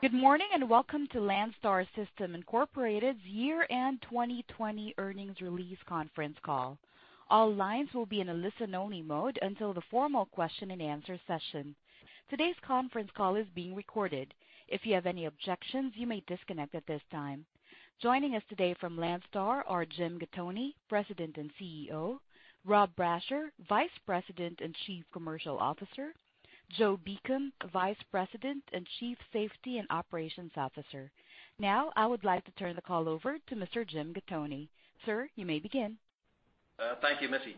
Good morning, and welcome to Landstar System Incorporated's Year-End 2020 Earnings Release Conference Call. All lines will be in a listen-only mode until the formal question-and-answer session. Today's conference call is being recorded. If you have any objections, you may disconnect at this time. Joining us today from Landstar are Jim Gattoni, President and CEO. Rob Brasher, Vice President and Chief Commercial Officer. Joe Beacom, Vice President and Chief Safety and Operations Officer. Now, I would like to turn the call over to Mr. Jim Gattoni. Sir, you may begin. Thank you, Missy.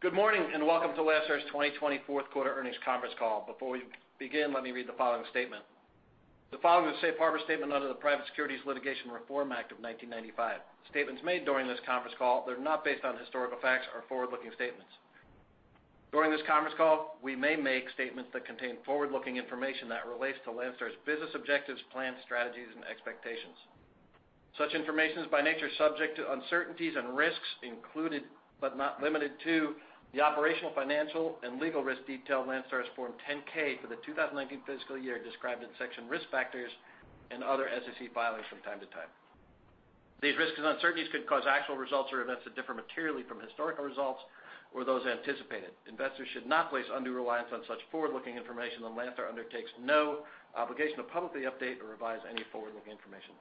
Good morning, and welcome to Landstar's 2024 fourth quarter earnings conference call. Before we begin, let me read the following statement. The following is a safe harbor statement under the Private Securities Litigation Reform Act of 1995. Statements made during this conference call that are not based on historical facts are forward-looking statements. During this conference call, we may make statements that contain forward-looking information that relates to Landstar's business objectives, plans, strategies, and expectations. Such information is, by nature, subject to uncertainties and risks included, but not limited to, the operational, financial, and legal risk detailed in Landstar's Form 10-K for the 2019 fiscal year, described in Section Risk Factors and other SEC filings from time to time. These risks and uncertainties could cause actual results or events to differ materially from historical results or those anticipated. Investors should not place undue reliance on such forward-looking information, and Landstar undertakes no obligation to publicly update or revise any forward-looking information.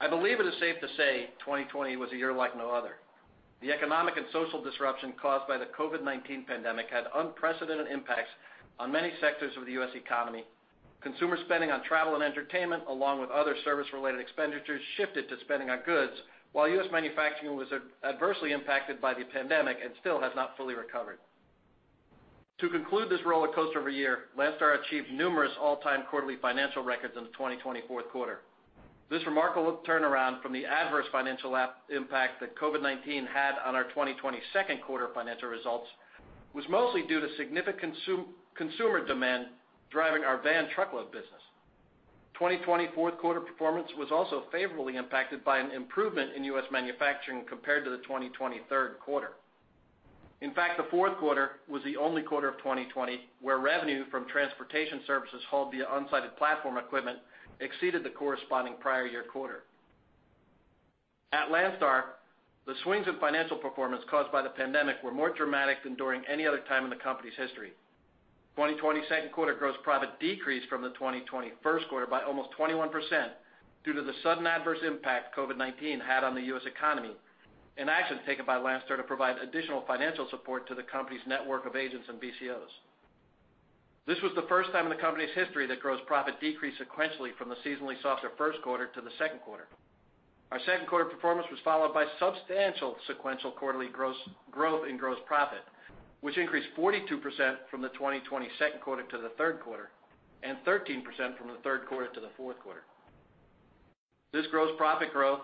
I believe it is safe to say 2020 was a year like no other. The economic and social disruption caused by the COVID-19 pandemic had unprecedented impacts on many sectors of the U.S. economy. Consumer spending on travel and entertainment, along with other service-related expenditures, shifted to spending on goods, while U.S. manufacturing was adversely impacted by the pandemic and still has not fully recovered. To conclude this rollercoaster of a year, Landstar achieved numerous all-time quarterly financial records in the 2020 fourth quarter. This remarkable turnaround from the adverse financial impact that COVID-19 had on our 2020 second quarter financial results was mostly due to significant consumer demand driving our van truckload business. 2024 fourth quarter performance was also favorably impacted by an improvement in U.S. manufacturing compared to the 2023 quarter. In fact, the fourth quarter was the only quarter of 2020 where revenue from transportation services hauled via unsided platform equipment exceeded the corresponding prior year quarter. At Landstar, the swings in financial performance caused by the pandemic were more dramatic than during any other time in the company's history. 2022 second quarter gross profit decreased from the 2021 first quarter by almost 21% due to the sudden adverse impact COVID-19 had on the U.S. economy, and actions taken by Landstar to provide additional financial support to the company's network of agents and BCOs. This was the first time in the company's history that gross profit decreased sequentially from the seasonally softer first quarter to the second quarter. Our second quarter performance was followed by substantial sequential quarterly gross... growth in gross profit, which increased 42% from the 2022 second quarter to the third quarter, and 13% from the third quarter to the fourth quarter. This gross profit growth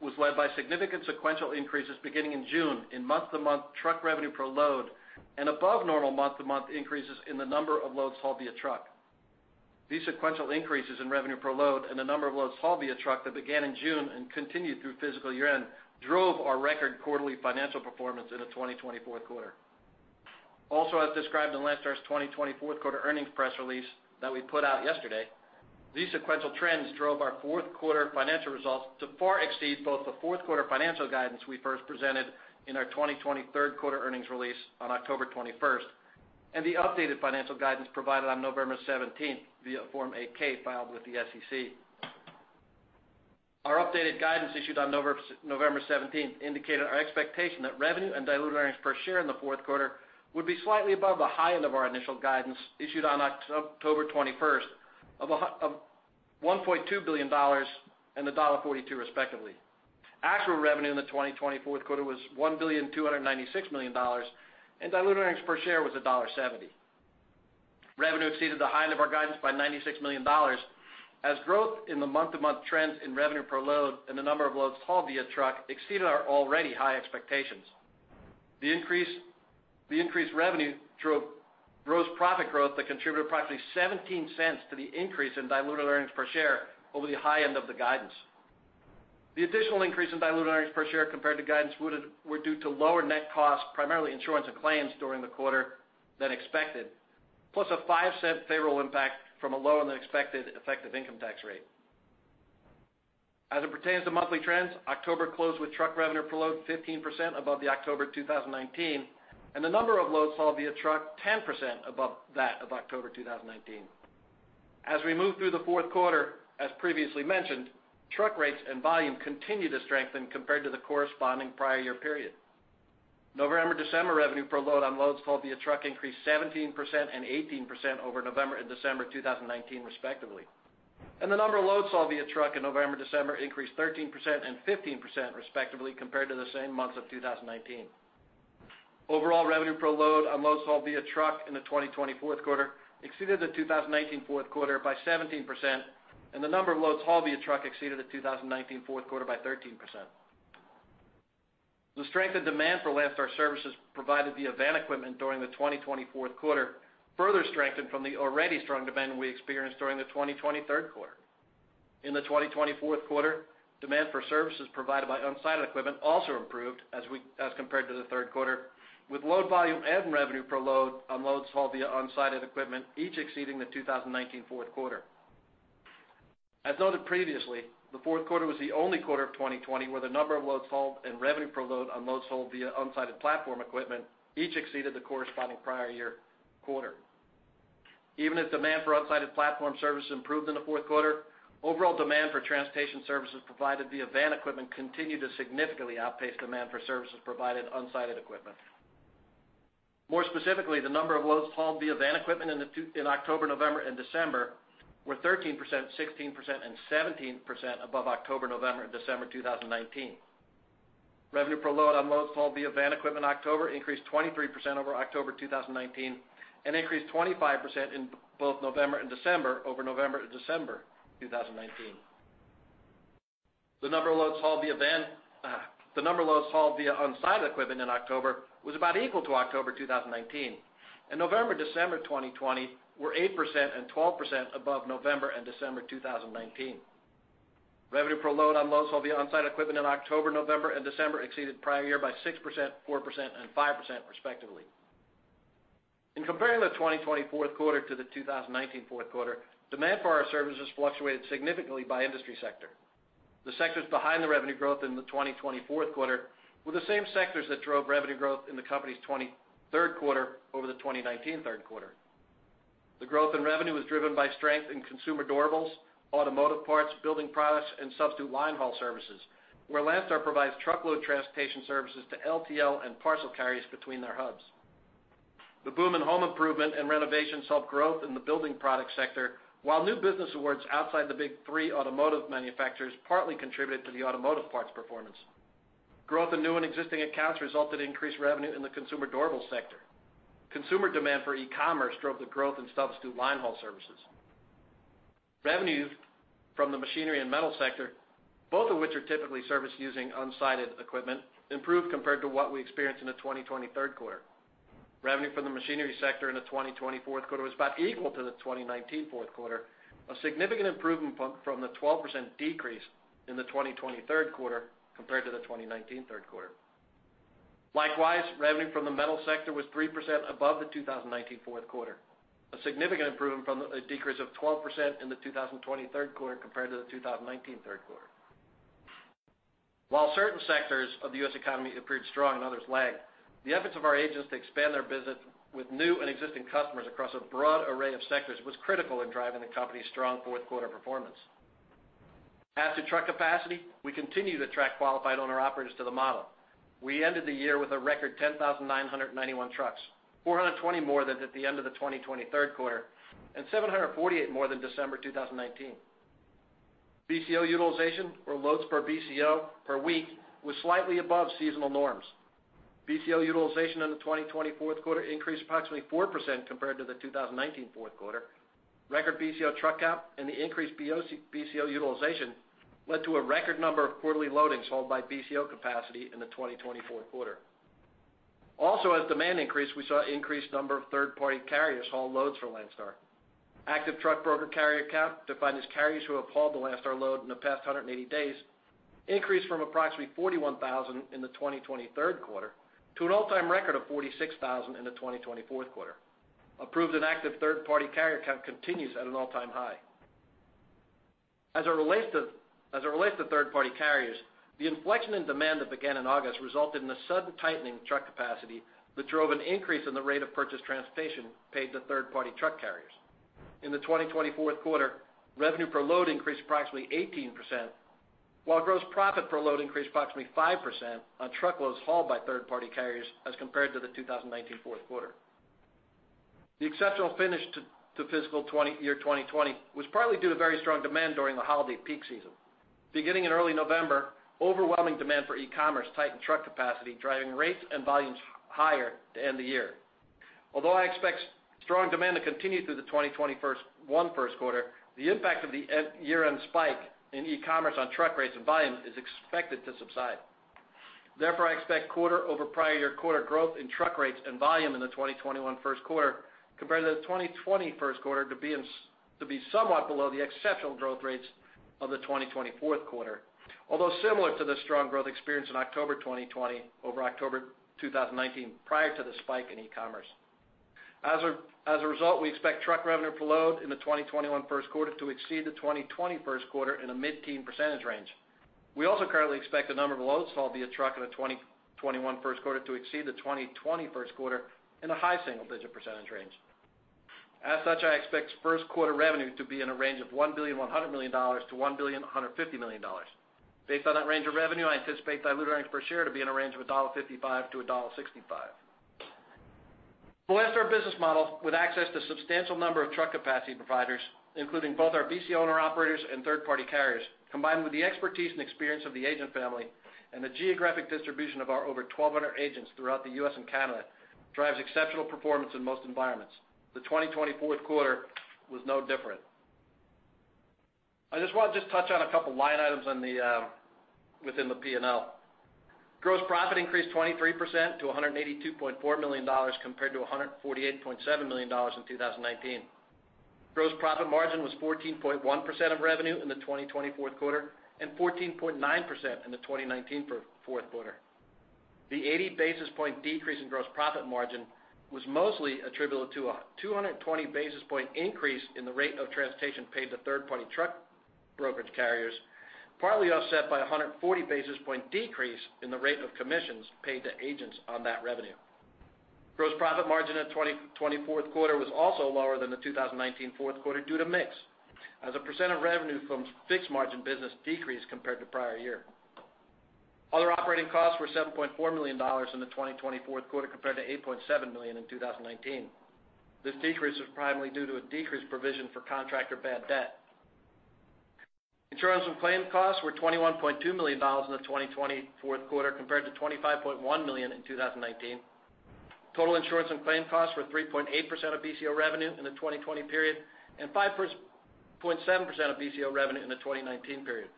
was led by significant sequential increases beginning in June in month-to-month truck revenue per load and above normal month-to-month increases in the number of loads hauled via truck. These sequential increases in revenue per load and the number of loads hauled via truck that began in June and continued through fiscal year-end, drove our record quarterly financial performance in the 2024 fourth quarter. Also, as described in Landstar's 2024 fourth quarter earnings press release that we put out yesterday, these sequential trends drove our fourth quarter financial results to far exceed both the fourth quarter financial guidance we first presented in our 2023 third quarter earnings release on October 21, and the updated financial guidance provided on November, November 17 via Form 8-K filed with the SEC. Our updated guidance, issued on November, November 17, indicated our expectation that revenue and diluted earnings per share in the fourth quarter would be slightly above the high end of our initial guidance, issued on October 21, of $1.2 billion and $1.42, respectively. Actual revenue in the 2024 fourth quarter was $1.296 billion, and diluted earnings per share was $1.70. Revenue exceeded the high end of our guidance by $96 million, as growth in the month-to-month trends in revenue per load and the number of loads hauled via truck exceeded our already high expectations. The increased, the increased revenue drove gross profit growth that contributed approximately $0.17 to the increase in diluted earnings per share over the high end of the guidance. The additional increase in diluted earnings per share compared to guidance would have... were due to lower net costs, primarily insurance and claims, during the quarter than expected, plus a $0.05 favorable impact from a lower-than-expected effective income tax rate. As it pertains to monthly trends, October closed with truck revenue per load 15% above the October 2019, and the number of loads hauled via truck, 10% above that of October 2019. As we moved through the fourth quarter, as previously mentioned, truck rates and volume continued to strengthen compared to the corresponding prior year period. November, December revenue per load on loads hauled via truck increased 17% and 18% over November and December 2019, respectively. The number of loads hauled via truck in November, December increased 13% and 15%, respectively, compared to the same months of 2019. Overall, revenue per load on loads hauled via truck in the 2020 fourth quarter exceeded the 2019 fourth quarter by 17%, and the number of loads hauled via truck exceeded the 2019 fourth quarter by 13%. The strength and demand for Landstar services provided via van equipment during the 2024 fourth quarter further strengthened from the already strong demand we experienced during the 2023 third quarter. In the 2020 fourth quarter, demand for services provided by unsided equipment also improved as we, as compared to the third quarter, with load volume and revenue per load on loads hauled via unsided equipment, each exceeding the 2019 fourth quarter. As noted previously, the fourth quarter was the only quarter of 2020, where the number of loads hauled and revenue per load on loads hauled via unsided platform equipment, each exceeded the corresponding prior year quarter. Even if demand for unsided platform services improved in the fourth quarter, overall demand for transportation services provided via van equipment continued to significantly outpace demand for services provided unsided equipment. More specifically, the number of loads hauled via van equipment in the two-- in October, November, and December were 13%, 16%, and 17% above October, November, and December 2019. Revenue per load on loads hauled via van equipment in October increased 23% over October 2019, and increased 25% in both November and December over November and December 2019. The number of loads hauled via van, the number of loads hauled via unsided equipment in October was about equal to October 2019, and November, December 2020, were 8% and 12% above November and December 2019. Revenue per load on loads hauled via unsided equipment in October, November, and December exceeded prior year by 6%, 4%, and 5% respectively. In comparing the 2020 fourth quarter to the 2019 fourth quarter, demand for our services fluctuated significantly by industry sector. The sectors behind the revenue growth in the 2020 fourth quarter were the same sectors that drove revenue growth in the company's 2023 third quarter over the 2019 third quarter. The growth in revenue was driven by strength in consumer durables, automotive parts, building products, and substitute linehaul services, where Landstar provides truckload transportation services to LTL and parcel carriers between their hubs. The boom in home improvement and renovations helped growth in the building product sector, while new business awards outside the Big Three automotive manufacturers partly contributed to the automotive parts performance. Growth in new and existing accounts resulted in increased revenue in the consumer durable sector. Consumer demand for e-commerce drove the growth in substitute linehaul services. Revenues from the machinery and metal sector, both of which are typically serviced using unsided equipment, improved compared to what we experienced in the 2020 third quarter. Revenue from the machinery sector in the 2020 fourth quarter was about equal to the 2019 fourth quarter, a significant improvement from the 12% decrease in the 2020 third quarter compared to the 2019 third quarter. Likewise, revenue from the metal sector was 3% above the 2019 fourth quarter, a significant improvement from a decrease of 12% in the 2020 third quarter compared to the 2019 third quarter. While certain sectors of the U.S. economy appeared strong and others lagged, the efforts of our agents to expand their business with new and existing customers across a broad array of sectors was critical in driving the company's strong fourth quarter performance. As to truck capacity, we continue to track qualified owner-operators to the model. We ended the year with a record 10,991 trucks, 420 more than at the end of the 2020 third quarter, and 748 more than December 2019. BCO utilization or loads per BCO per week was slightly above seasonal norms. BCO utilization in the 2020 fourth quarter increased approximately 4% compared to the 2019 fourth quarter. Record BCO truck count and the increased BCO utilization led to a record number of quarterly loadings hauled by BCO capacity in the 2020 fourth quarter. Also, as demand increased, we saw an increased number of third-party carriers haul loads for Landstar. Active truck broker carrier count, defined as carriers who have hauled a Landstar load in the past 180 days, increased from approximately 41,000 in the 2020 third quarter to an all-time record of 46,000 in the 2020 fourth quarter. Approved and active third-party carrier count continues at an all-time high. As it relates to third-party carriers, the inflection in demand that began in August resulted in a sudden tightening of truck capacity that drove an increase in the rate of purchased transportation paid to third-party truck carriers. In the 2020 fourth quarter, revenue per load increased approximately 18%, while gross profit per load increased approximately 5% on truckloads hauled by third-party carriers as compared to the 2019 fourth quarter. The exceptional finish to fiscal year 2020 was partly due to very strong demand during the holiday peak season. Beginning in early November, overwhelming demand for e-commerce tightened truck capacity, driving rates and volumes higher to end the year. Although I expect strong demand to continue through the 2021 first quarter, the impact of the end-year spike in e-commerce on truck rates and volumes is expected to subside. Therefore, I expect quarter over prior year quarter growth in truck rates and volume in the 2021 first quarter compared to the 2020 first quarter to be somewhat below the exceptional growth rates of the 2020 fourth quarter, although similar to the strong growth experience in October 2020 over October 2019, prior to the spike in e-commerce. As a result, we expect truck revenue per load in the 2021 first quarter to exceed the 2020 first quarter in a mid-teen % range. We also currently expect the number of loads hauled via truck in the 2021 first quarter to exceed the 2020 first quarter in a high single-digit % range. As such, I expect first quarter revenue to be in a range of $1 billion-$1.1 billion. Based on that range of revenue, I anticipate diluted earnings per share to be in a range of $1.55-$1.65. The Landstar business model, with access to a substantial number of truck capacity providers, including both our BCO owner-operators and third-party carriers, combined with the expertise and experience of the agent family and the geographic distribution of our over 1,200 agents throughout the U.S. and Canada, drives exceptional performance in most environments. The 2020 fourth quarter was no different. I just want to just touch on a couple of line items on the within the P&L. Gross profit increased 23% to $182.4 million, compared to $148.7 million in 2019. Gross profit margin was 14.1% of revenue in the 2020 fourth quarter, and 14.9% in the 2019 fourth quarter. The 80 basis point decrease in gross profit margin was mostly attributable to a 220 basis point increase in the rate of transportation paid to third-party truck brokerage carriers, partly offset by a 140 basis point decrease in the rate of commissions paid to agents on that revenue. Gross profit margin at 2020 fourth quarter was also lower than the 2019 fourth quarter due to mix, as a percent of revenue from fixed margin business decreased compared to prior year. Other operating costs were $7.4 million in the 2020 fourth quarter, compared to $8.7 million in 2019. This decrease was primarily due to a decreased provision for contractor bad debt. Insurance and claim costs were $21.2 million in the 2020 fourth quarter, compared to $25.1 million in 2019. Total insurance and claim costs were 3.8% of BCO revenue in the 2020 period, and 5.7% of BCO revenue in the 2019 period.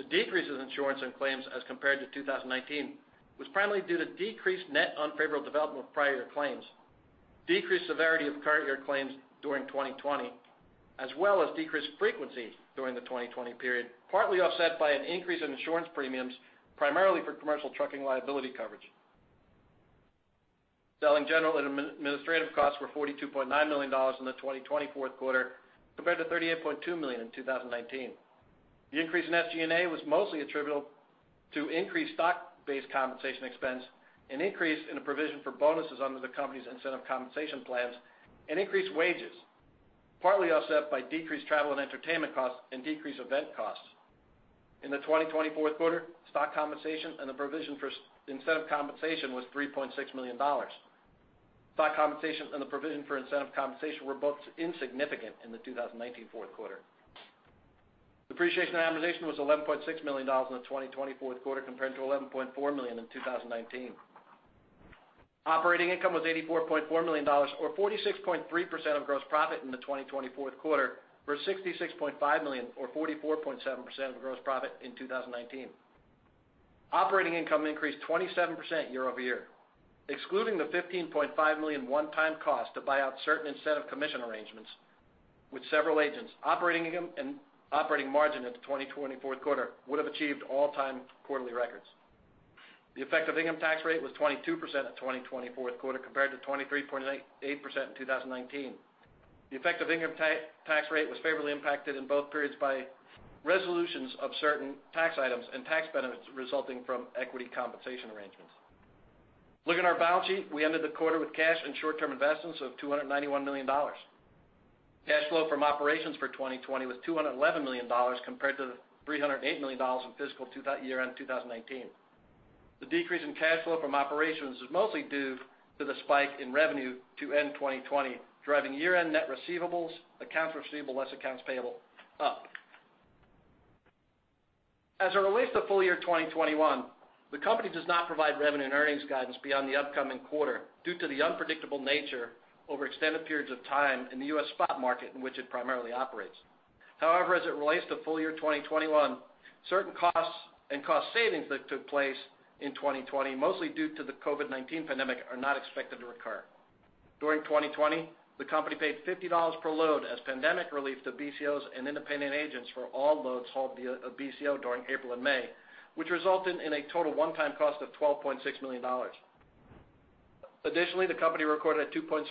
The decrease of insurance and claims as compared to 2019, was primarily due to decreased net unfavorable development of prior year claims, decreased severity of current year claims during 2020, as well as decreased frequency during the 2020 period, partly offset by an increase in insurance premiums, primarily for commercial trucking liability coverage. Selling, general, and administrative costs were $42.9 million in the 2020 fourth quarter, compared to $38.2 million in 2019. The increase in SG&A was mostly attributable to increased stock-based compensation expense, an increase in the provision for bonuses under the company's incentive compensation plans, and increased wages, partly offset by decreased travel and entertainment costs and decreased event costs. In the 2020 fourth quarter, stock compensation and the provision for incentive compensation was $3.6 million. Stock compensation and the provision for incentive compensation were both insignificant in the 2019 fourth quarter. Depreciation and amortization was $11.6 million in the 2020 fourth quarter, compared to $11.4 million in 2019. Operating income was $84.4 million or 46.3% of gross profit in the 2020 fourth quarter, versus $66.5 million or 44.7% of gross profit in 2019. Operating income increased 27% year-over-year, excluding the $15.5 million one-time cost to buy out certain incentive commission arrangements. With several agents, operating income and operating margin at the 2020 fourth quarter would have achieved all-time quarterly records. The effective income tax rate was 22% at 2020 fourth quarter, compared to 23.88% in 2019. The effective income tax rate was favorably impacted in both periods by resolutions of certain tax items and tax benefits resulting from equity compensation arrangements. Looking at our balance sheet, we ended the quarter with cash and short-term investments of $291 million. Cash flow from operations for 2020 was $211 million, compared to $308 million in fiscal year-end 2019. The decrease in cash flow from operations is mostly due to the spike in revenue to end 2020, driving year-end net receivables, accounts receivable less accounts payable up. As it relates to full year 2021, the company does not provide revenue and earnings guidance beyond the upcoming quarter due to the unpredictable nature over extended periods of time in the US spot market in which it primarily operates. However, as it relates to full year 2021, certain costs and cost savings that took place in 2020, mostly due to the COVID-19 pandemic, are not expected to recur. During 2020, the company paid $50 per load as pandemic relief to BCOs and independent agents for all loads hauled via a BCO during April and May, which resulted in a total one-time cost of $12.6 million. Additionally, the company recorded a $2.6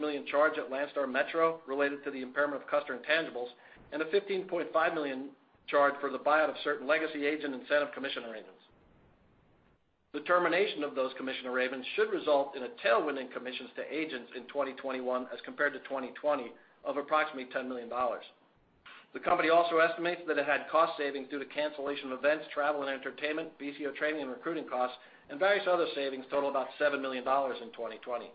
million charge at Landstar Metro related to the impairment of customer intangibles, and a $15.5 million charge for the buyout of certain legacy agent incentive commission arrangements. The termination of those commission arrangements should result in a tailwind in commissions to agents in 2021, as compared to 2020, of approximately $10 million. The company also estimates that it had cost savings due to cancellation of events, travel and entertainment, BCO training and recruiting costs, and various other savings totaling about $7 million in 2020.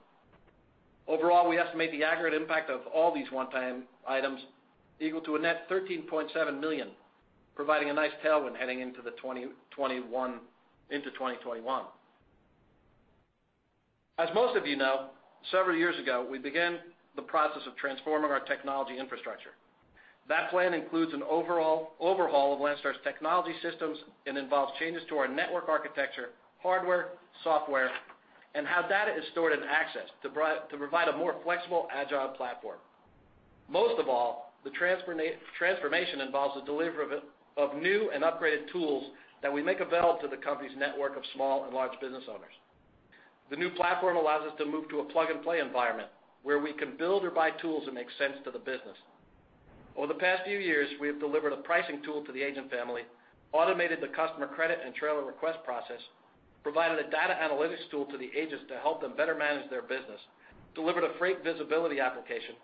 Overall, we estimate the aggregate impact of all these one-time items equal to a net $13.7 million, providing a nice tailwind heading into 2021, into 2021. As most of you know, several years ago, we began the process of transforming our technology infrastructure. That plan includes an overhaul of Landstar's technology systems and involves changes to our network architecture, hardware, software, and how data is stored and accessed to provide a more flexible, agile platform. Most of all, the transformation involves the delivery of new and upgraded tools that we make available to the company's network of small and large business owners. The new platform allows us to move to a plug-and-play environment, where we can build or buy tools that make sense to the business. Over the past few years, we have delivered a pricing tool to the agent family, automated the customer credit and trailer request process, provided a data analytics tool to the agents to help them better manage their business, delivered a freight visibility application,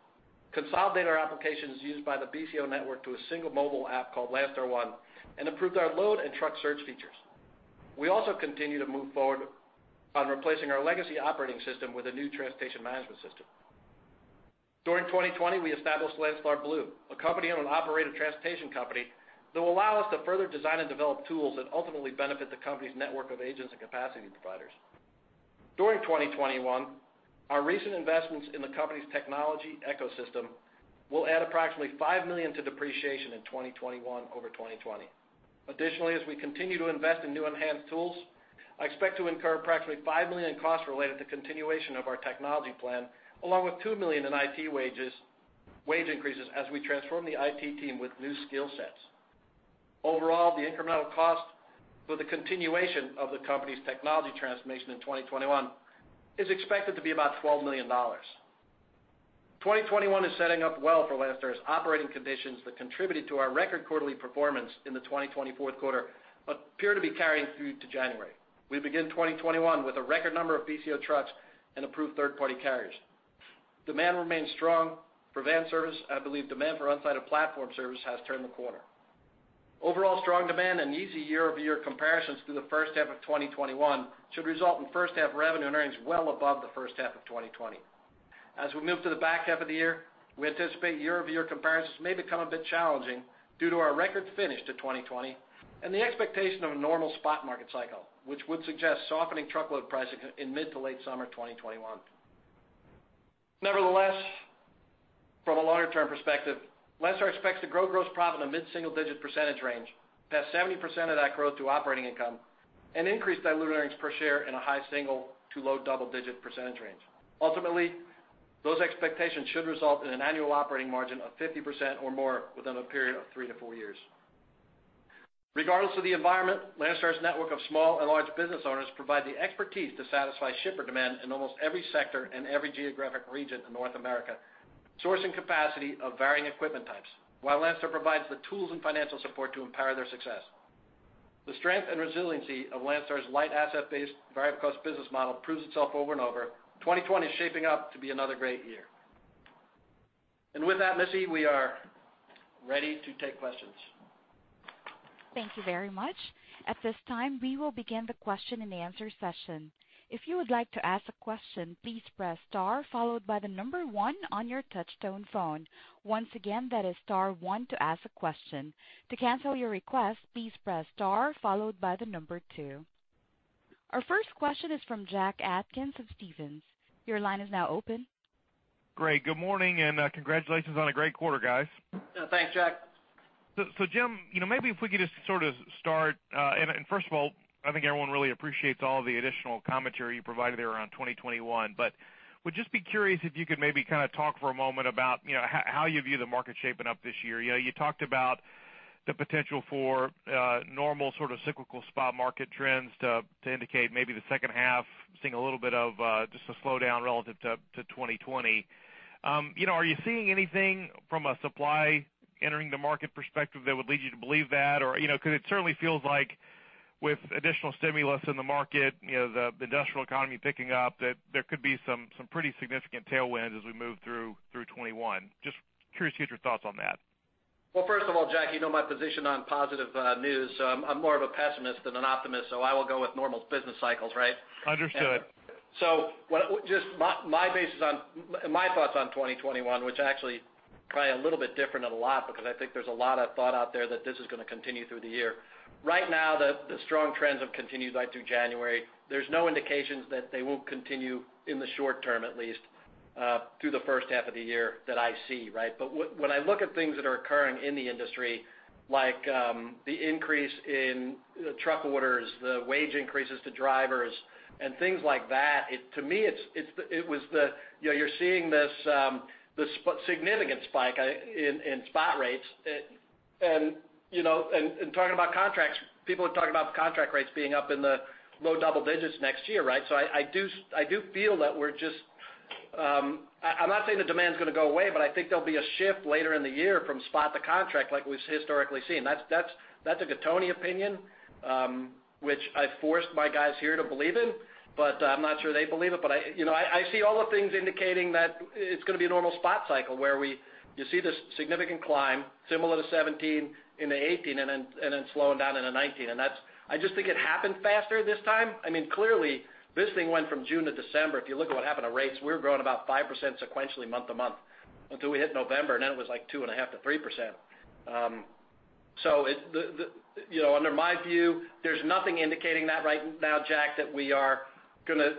consolidated our applications used by the BCO network to a single mobile app called LandstarOne, and improved our load and truck search features. We also continue to move forward on replacing our legacy operating system with a new transportation management system. During 2020, we established Landstar Blue, an owner-operator transportation company, that will allow us to further design and develop tools that ultimately benefit the company's network of agents and capacity providers. During 2021, our recent investments in the company's technology ecosystem will add approximately $5 million to depreciation in 2021 over 2020. Additionally, as we continue to invest in new enhanced tools, I expect to incur practically $5 million in costs related to continuation of our technology plan, along with $2 million in IT wage increases as we transform the IT team with new skill sets. Overall, the incremental cost for the continuation of the company's technology transformation in 2021 is expected to be about $12 million. 2021 is setting up well for Landstar as operating conditions that contributed to our record quarterly performance in the 2020 fourth quarter appear to be carrying through to January. We begin 2021 with a record number of BCO trucks and approved third-party carriers. Demand remains strong for van service, and I believe demand for unsided of platform service has turned the corner. Overall strong demand and easy year-over-year comparisons through the first half of 2021 should result in first half revenue and earnings well above the first half of 2020. As we move to the back half of the year, we anticipate year-over-year comparisons may become a bit challenging due to our record finish to 2020 and the expectation of a normal spot market cycle, which would suggest softening truckload pricing in mid to late summer 2021. Nevertheless, from a longer-term perspective, Landstar expects to grow gross profit in the mid-single-digit % range, pass 70% of that growth to operating income, and increase diluted earnings per share in a high single- to low double-digit % range. Ultimately, those expectations should result in an annual operating margin of 50% or more within a period of 3-4 years. Regardless of the environment, Landstar's network of small and large business owners provide the expertise to satisfy shipper demand in almost every sector and every geographic region in North America, sourcing capacity of varying equipment types, while Landstar provides the tools and financial support to empower their success. The strength and resiliency of Landstar's light asset-based, variable cost business model proves itself over and over. 2020 is shaping up to be another great year. And with that, Missy, we are ready to take questions. Thank you very much. At this time, we will begin the question and answer session. If you would like to ask a question, please press star followed by the number one on your touchtone phone. Once again, that is star one to ask a question. To cancel your request, please press star followed by the number two. Our first question is from Jack Atkins of Stephens. Your line is now open. Great. Good morning, and congratulations on a great quarter, guys. Thanks, Jack. So, Jim, you know, maybe if we could just sort of start and first of all, I think everyone really appreciates all the additional commentary you provided there around 2021. But would just be curious if you could maybe kind of talk for a moment about, you know, how you view the market shaping up this year. You know, you talked about the potential for normal sort of cyclical spot market trends to indicate maybe the second half, seeing a little bit of just a slowdown relative to 2020. You know, are you seeing anything from a supply entering the market perspective that would lead you to believe that? Or, you know, because it certainly feels like with additional stimulus in the market, you know, the industrial economy picking up, that there could be some pretty significant tailwinds as we move through 2021. Just curious to hear your thoughts on that. Well, first of all, Jack, you know my position on positive news. I'm more of a pessimist than an optimist, so I will go with normal business cycles, right? Understood. So what, just my basis on—my thoughts on 2021, which are actually probably a little bit different than a lot, because I think there's a lot of thought out there that this is going to continue through the year. Right now, the strong trends have continued right through January. There's no indications that they won't continue in the short term, at least, through the first half of the year that I see, right? But when I look at things that are occurring in the industry, like the increase in truck orders, the wage increases to drivers and things like that, it—to me, it's the... You know, you're seeing this significant spike in spot rates. You know, talking about contracts, people are talking about contract rates being up in the low double digits next year, right? So I do feel that we're just... I'm not saying the demand is going to go away, but I think there'll be a shift later in the year from spot to contract, like we've historically seen. That's a Gattoni opinion, which I forced my guys here to believe in, but I'm not sure they believe it. But I, you know, I see all the things indicating that it's going to be a normal spot cycle, where we—you see this significant climb, similar to 2017 into 2018, and then slowing down into 2019. And that's—I just think it happened faster this time. I mean, clearly, this thing went from June to December. If you look at what happened to rates, we were growing about 5% sequentially month-to-month, until we hit November, and then it was like 2.5%-3%. So, you know, under my view, there's nothing indicating that right now, Jack, that we are gonna,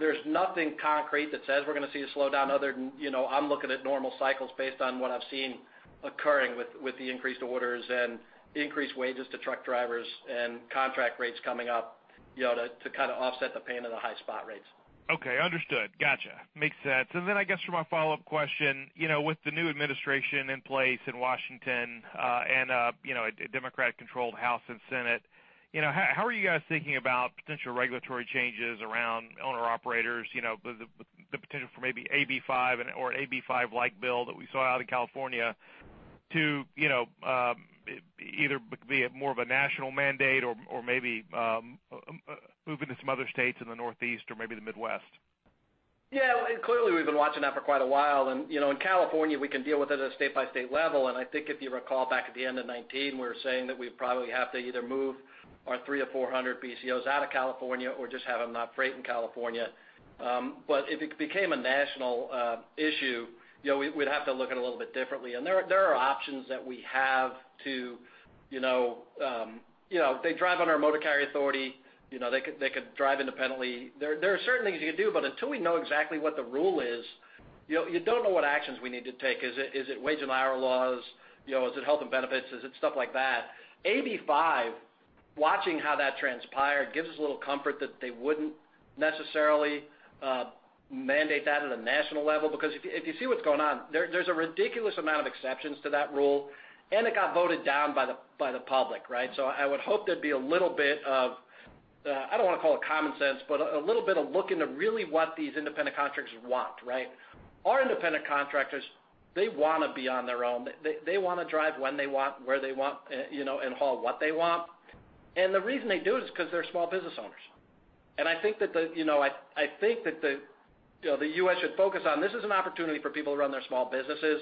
there's nothing concrete that says we're going to see a slowdown other than, you know, I'm looking at normal cycles based on what I've seen occurring with the increased orders and increased wages to truck drivers and contract rates coming up, you know, to kind of offset the pain of the high spot rates. Okay, understood. Gotcha. Makes sense. And then I guess for my follow-up question, you know, with the new administration in place in Washington, and, you know, a Democratic-controlled House and Senate, you know, how are you guys thinking about potential regulatory changes around owner-operators? You know, the potential for maybe AB5 and or an AB5-like bill that we saw out in California to, you know, either be more of a national mandate or, or maybe moving to some other states in the Northeast or maybe the Midwest. Yeah, clearly, we've been watching that for quite a while. And, you know, in California, we can deal with it at a state-by-state level. And I think if you recall back at the end of 2019, we were saying that we'd probably have to either move our 300 or 400 BCOs out of California or just have them not freight in California. But if it became a national issue, you know, we'd have to look at it a little bit differently. And there are options that we have to, you know, you know, they drive on our motor carrier authority, you know, they could drive independently. There are certain things you can do, but until we know exactly what the rule is, you know, you don't know what actions we need to take. Is it wage and hour laws? You know, is it health and benefits? Is it stuff like that? AB5, watching how that transpired, gives us a little comfort that they wouldn't necessarily mandate that at a national level, because if you see what's going on, there's a ridiculous amount of exceptions to that rule, and it got voted down by the public, right? So I would hope there'd be a little bit of, I don't want to call it common sense, but a little bit of look into really what these independent contractors want, right? Our independent contractors, they want to be on their own. They want to drive when they want, where they want, you know, and haul what they want. And the reason they do it is because they're small business owners. And I think that the, you know, the U.S. should focus on this is an opportunity for people to run their small businesses,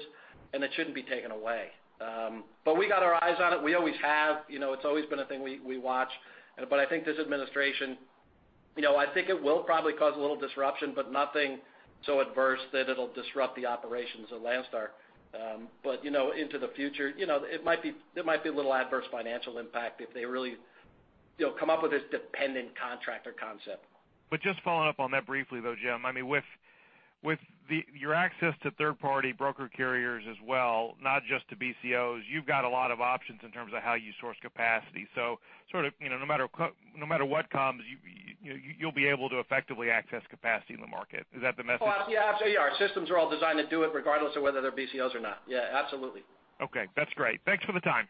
and it shouldn't be taken away. But we got our eyes on it. We always have, you know, it's always been a thing we watch. But I think this administration, you know, I think it will probably cause a little disruption, but nothing so adverse that it'll disrupt the operations of Landstar. But, you know, into the future, you know, it might be, there might be a little adverse financial impact if they really, you know, come up with this dependent contractor concept. But just following up on that briefly, though, Jim, I mean, with the... Your access to third-party broker carriers as well, not just to BCOs, you've got a lot of options in terms of how you source capacity. So sort of, you know, no matter what, no matter what comes, you, you know, you'll be able to effectively access capacity in the market. Is that the message? Well, yeah, our systems are all designed to do it, regardless of whether they're BCOs or not. Yeah, absolutely. Okay, that's great. Thanks for the time.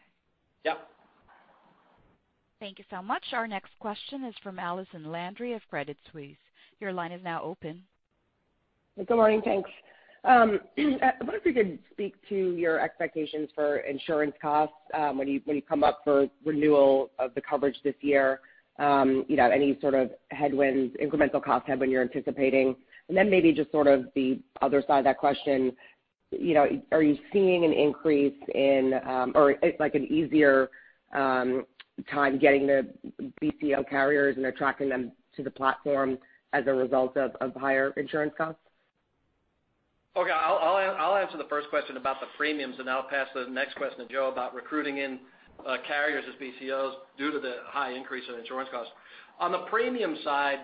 Yep. Thank you so much. Our next question is from Allison Landry of Credit Suisse. Your line is now open. Good morning, thanks. I wonder if you could speak to your expectations for insurance costs, when you, when you come up for renewal of the coverage this year. You know, any sort of headwinds, incremental cost headwind you're anticipating? And then maybe just sort of the other side of that question, you know, are you seeing an increase in, or, like, an easier, time getting the BCO carriers and attracting them to the platform as a result of, of higher insurance costs? Okay. I'll answer the first question about the premiums, and I'll pass the next question to Joe about recruiting in carriers as BCOs due to the high increase in insurance costs. On the premium side,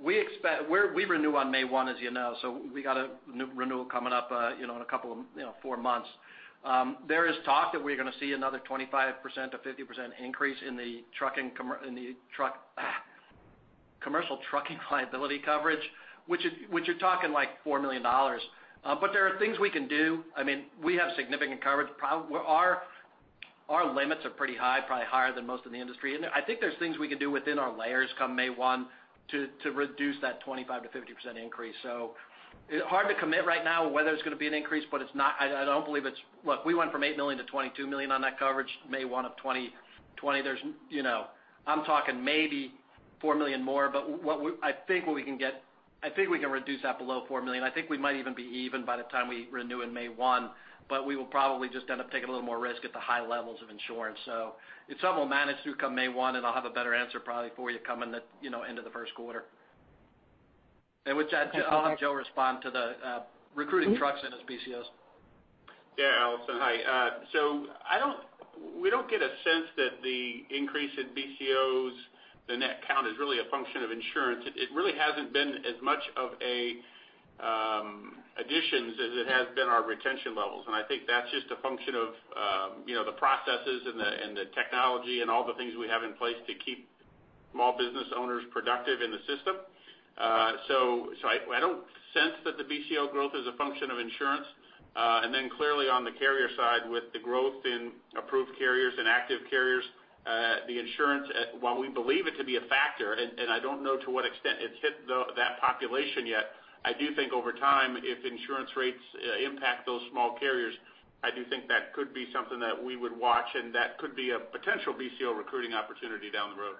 we're, we renew on May one, as you know, so we got a new renewal coming up, you know, in a couple of four months. There is talk that we're going to see another 25%-50% increase in the commercial trucking liability coverage, which is, you're talking, like, $4 million. But there are things we can do. I mean, we have significant coverage. Well, our limits are pretty high, probably higher than most of the industry. I think there's things we can do within our layers come May 1, to reduce that 25%-50% increase. So it's hard to commit right now whether it's going to be an increase, but it's not. I don't believe it's. Look, we went from $8 million to $22 million on that coverage, May 1, 2020. There's, you know, I'm talking maybe $4 million more, but what we, I think, what we can get, I think we can reduce that below $4 million. I think we might even be even by the time we renew in May 1, but we will probably just end up taking a little more risk at the high levels of insurance. So it's something we'll manage through come May 1, and I'll have a better answer probably for you coming in, you know, into the first quarter. And which I'll have Joe respond to the recruiting trucks in as BCOs. Yeah, Allison, hi. So we don't get a sense that the increase in BCOs, the net count, is really a function of insurance. It really hasn't been as much of a additions as it has been our retention levels. And I think that's just a function of, you know, the processes and the technology and all the things we have in place to keep small business owners productive in the system. So I don't sense that the BCO growth is a function of insurance. And then clearly on the carrier side, with the growth in approved carriers and active carriers, the insurance, while we believe it to be a factor, and I don't know to what extent it's hit that population yet, I do think over time, if insurance rates impact those small carriers, I do think that could be something that we would watch, and that could be a potential BCO recruiting opportunity down the road.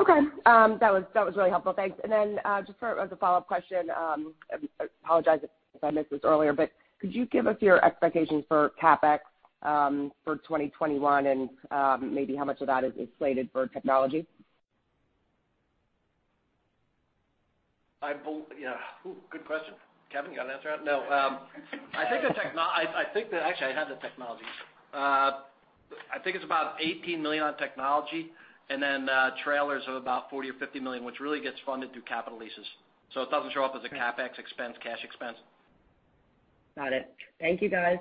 Okay, that was, that was really helpful. Thanks. And then, just for as a follow-up question, I apologize if I missed this earlier, but could you give us your expectations for CapEx for 2021 and, maybe how much of that is, is slated for technology? Yeah. Ooh, good question. Kevin, you got an answer on it? No, I think that. Actually, I had the technology. I think it's about $18 million on technology, and then trailers of about $40 million-$50 million, which really gets funded through capital leases, so it doesn't show up as a CapEx expense, cash expense. Got it. Thank you, guys.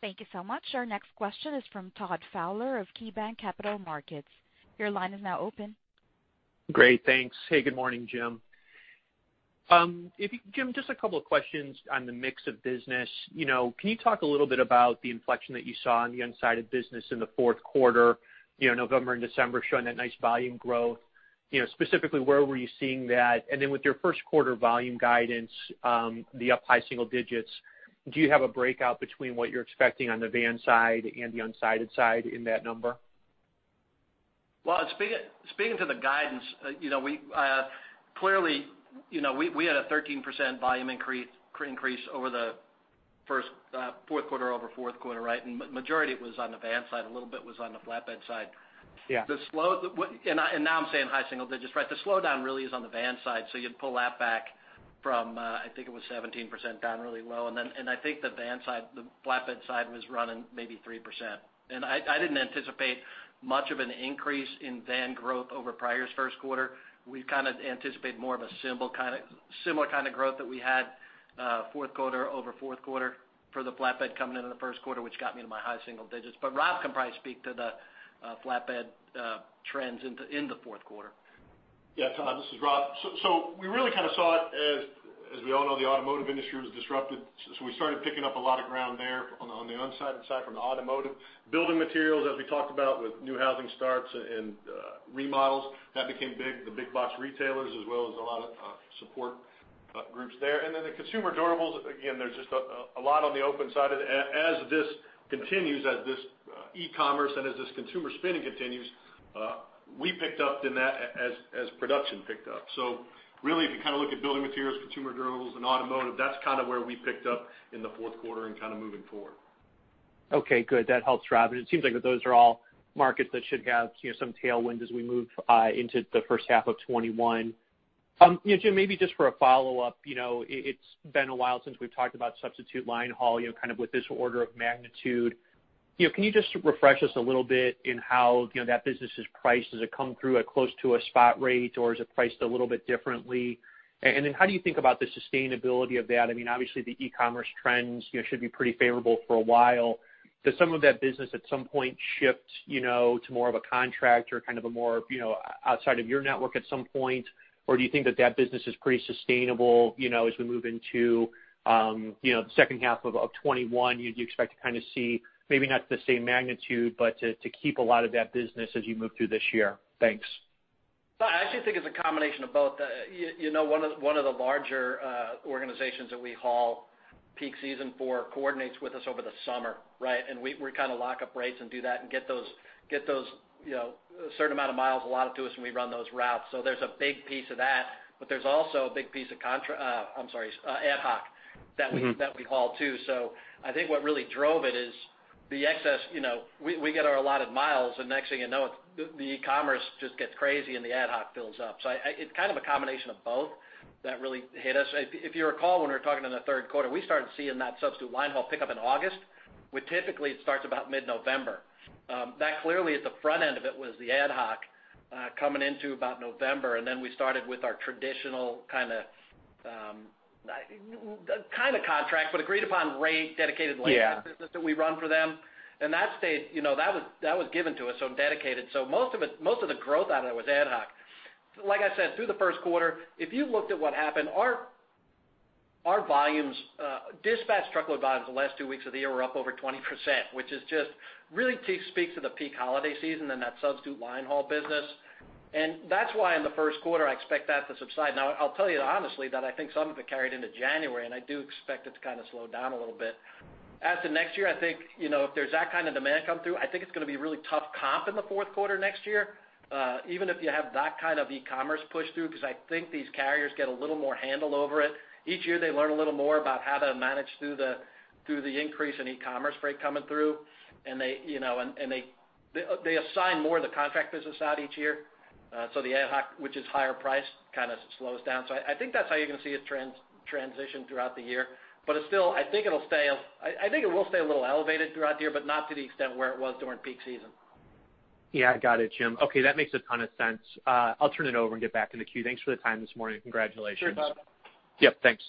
Thank you so much. Our next question is from Todd Fowler of KeyBanc Capital Markets. Your line is now open. Great, thanks. Hey, good morning, Jim. If you, Jim, just a couple of questions on the mix of business. You know, can you talk a little bit about the inflection that you saw on the unsided business in the fourth quarter? You know, November and December showing that nice volume growth. You know, specifically, where were you seeing that? And then with your first quarter volume guidance, the up high single digits, do you have a breakout between what you're expecting on the van side and the unsided side in that number? Well, speaking to the guidance, you know, we clearly, you know, we had a 13% volume increase over the fourth quarter over fourth quarter, right? And majority of it was on the van side, a little bit was on the flatbed side. Yeah. Now I'm saying high single digits, right? The slowdown really is on the van side, so you'd pull that back from, I think it was 17% down really low. And then, and I think the van side, the flatbed side was running maybe 3%. And I, I didn't anticipate much of an increase in van growth over prior's first quarter. We kind of anticipate more of a similar kind of growth that we had, fourth quarter over fourth quarter for the flatbed coming into the first quarter, which got me to my high single digits. But Rob can probably speak to the flatbed trends in the fourth quarter. Yeah, Todd, this is Rob. So we really kind of saw it as, as we all know, the automotive industry was disrupted. So we started picking up a lot of ground there on the unsided side from the automotive. Building materials, as we talked about, with new housing starts and remodels, that became big, the big box retailers, as well as a lot of support groups there. And then the consumer durables, again, there's just a lot on the unsided side. As this continues, this e-commerce and this consumer spending continues, we picked up in that as production picked up. So really, if you kind of look at building materials, consumer durables, and automotive, that's kind of where we picked up in the fourth quarter and kind of moving forward. Okay, good. That helps, Rob. It seems like those are all markets that should have, you know, some tailwind as we move into the first half of 2021. You know, Jim, maybe just for a follow-up, you know, it's been a while since we've talked about substitute linehaul, you know, kind of with this order of magnitude. You know, can you just refresh us a little bit in how, you know, that business is priced? Does it come through at close to a spot rate, or is it priced a little bit differently? And then how do you think about the sustainability of that? I mean, obviously, the e-commerce trends, you know, should be pretty favorable for a while. Does some of that business at some point shift, you know, to more of a contract or kind of a more, you know, outside of your network at some point? Or do you think that that business is pretty sustainable, you know, as we move into, you know, the second half of 2021? Do you expect to kind of see, maybe not the same magnitude, but to keep a lot of that business as you move through this year? Thanks. So I actually think it's a combination of both. You know, one of the larger organizations that we haul peak season for coordinates with us over the summer, right? And we kind of lock up rates and do that and get those, you know, a certain amount of miles allotted to us, and we run those routes. So there's a big piece of that, but there's also a big piece of contra- I'm sorry, ad hoc- Mm-hmm... that we, that we haul, too. So I think what really drove it is the excess. You know, we, we get our allotted miles, and next thing you know, it, the, the e-commerce just gets crazy, and the ad hoc fills up. So I, I, it's kind of a combination of both that really hit us. If, if you recall, when we were talking in the third quarter, we started seeing that substitute line haul pick up in August, which typically it starts about mid-November. That clearly, at the front end of it, was the ad hoc, coming into about November, and then we started with our traditional kind of, kind of contract, but agreed upon rate, dedicated lane- Yeah business that we run for them. And that stayed, you know, that was, that was given to us, so dedicated. So most of it, most of the growth out of it was ad hoc. Like I said, through the first quarter, if you looked at what happened, our volumes, dispatch truckload volumes the last two weeks of the year were up over 20%, which is just, really peak speaks to the peak holiday season and that substitute linehaul business. And that's why in the first quarter, I expect that to subside. Now, I'll tell you honestly, that I think some of it carried into January, and I do expect it to kind of slow down a little bit. As to next year, I think, you know, if there's that kind of demand come through, I think it's going to be really tough comp in the fourth quarter next year, even if you have that kind of e-commerce push through, because I think these carriers get a little more handle over it. Each year, they learn a little more about how to manage through the increase in e-commerce freight coming through, and they, you know, assign more of the contract business out each year. So the ad hoc, which is higher priced, kind of slows down. So I think that's how you're going to see it transition throughout the year. But it's still, I think it'll stay a... I think it will stay a little elevated throughout the year, but not to the extent where it was during peak season. Yeah, I got it, Jim. Okay, that makes a ton of sense. I'll turn it over and get back in the queue. Thanks for the time this morning. Congratulations. Sure, bye. Yep, thanks.